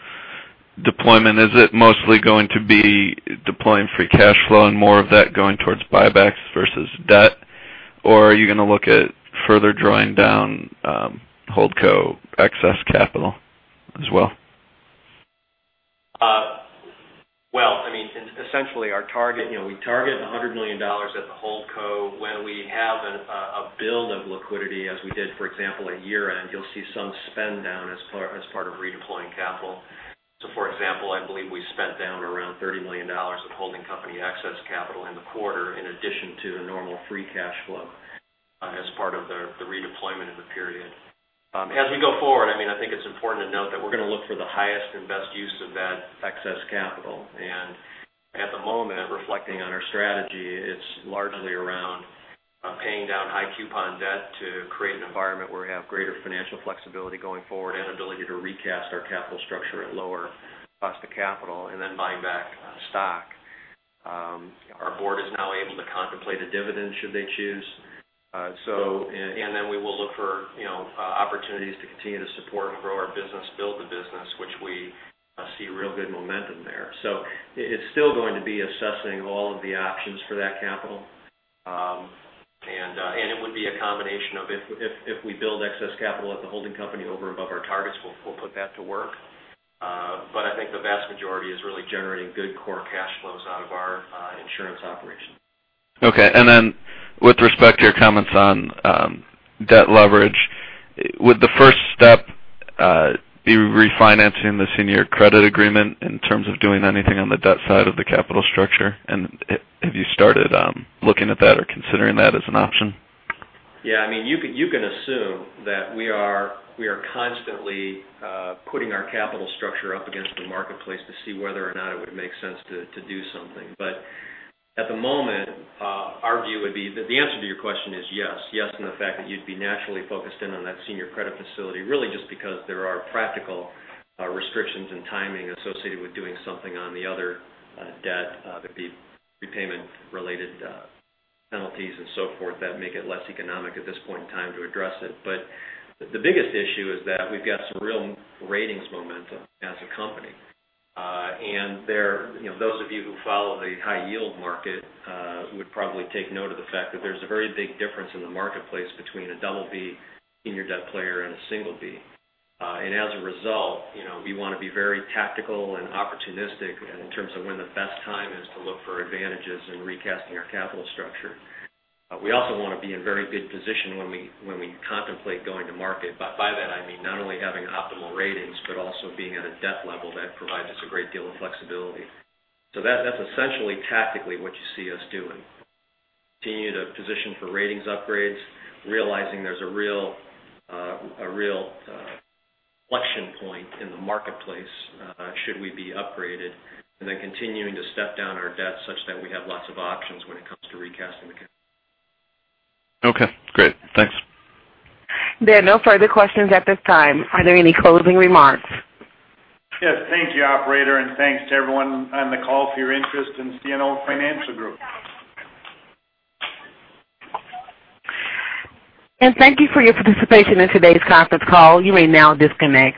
deployment, is it mostly going to be deploying free cash flow and more of that going towards buybacks versus debt, or are you going to look at further drawing down Holdco excess capital as well? Well, essentially, we target $100 million at the Holdco. When we have a build of liquidity, as we did, for example, at year-end, you'll see some spend down as part of redeploying capital. For example, I believe we spent down around $30 million of holding company excess capital in the quarter, in addition to the normal free cash flow as part of the redeployment in the period. As we go forward, I think it's important to note that we're going to look for the highest and best use of that excess capital. At the moment, reflecting on our strategy, it's largely around paying down high coupon debt to create an environment where we have greater financial flexibility going forward and ability to recast our capital structure at lower cost of capital and then buying back stock. Our board is now able to contemplate a dividend, should they choose. We will look for opportunities to continue to support and grow our business, build the business, which we see real good momentum there. It's still going to be assessing all of the options for that capital. It would be a combination of if we build excess capital at the holding company over above our targets, we'll put that to work. I think the vast majority is really generating good core cash flows out of our insurance operations. Okay. Then with respect to your comments on debt leverage, would the first step be refinancing the senior credit agreement in terms of doing anything on the debt side of the capital structure? Have you started looking at that or considering that as an option? Yeah, you can assume that we are constantly putting our capital structure up against the marketplace to see whether or not it would make sense to do something. At the moment, our view would be that the answer to your question is yes. Yes, in the fact that you'd be naturally focused in on that senior credit facility, really just because there are practical restrictions and timing associated with doing something on the other debt. There'd be repayment-related penalties and so forth that make it less economic at this point in time to address it. The biggest issue is that we've got some real ratings momentum as a company. Those of you who follow the high yield market would probably take note of the fact that there's a very big difference in the marketplace between a double B senior debt player and a single B. As a result, we want to be very tactical and opportunistic in terms of when the best time is to look for advantages in recasting our capital structure. We also want to be in very good position when we contemplate going to market. By that I mean not only having optimal ratings, but also being at a debt level that provides us a great deal of flexibility. That's essentially tactically what you see us doing. Continuing to position for ratings upgrades, realizing there's a real inflection point in the marketplace should we be upgraded, then continuing to step down our debt such that we have lots of options when it comes to recasting the capital. Okay, great. Thanks. There are no further questions at this time. Are there any closing remarks? Yes. Thank you, operator, and thanks to everyone on the call for your interest in CNO Financial Group. Thank you for your participation in today's conference call. You may now disconnect.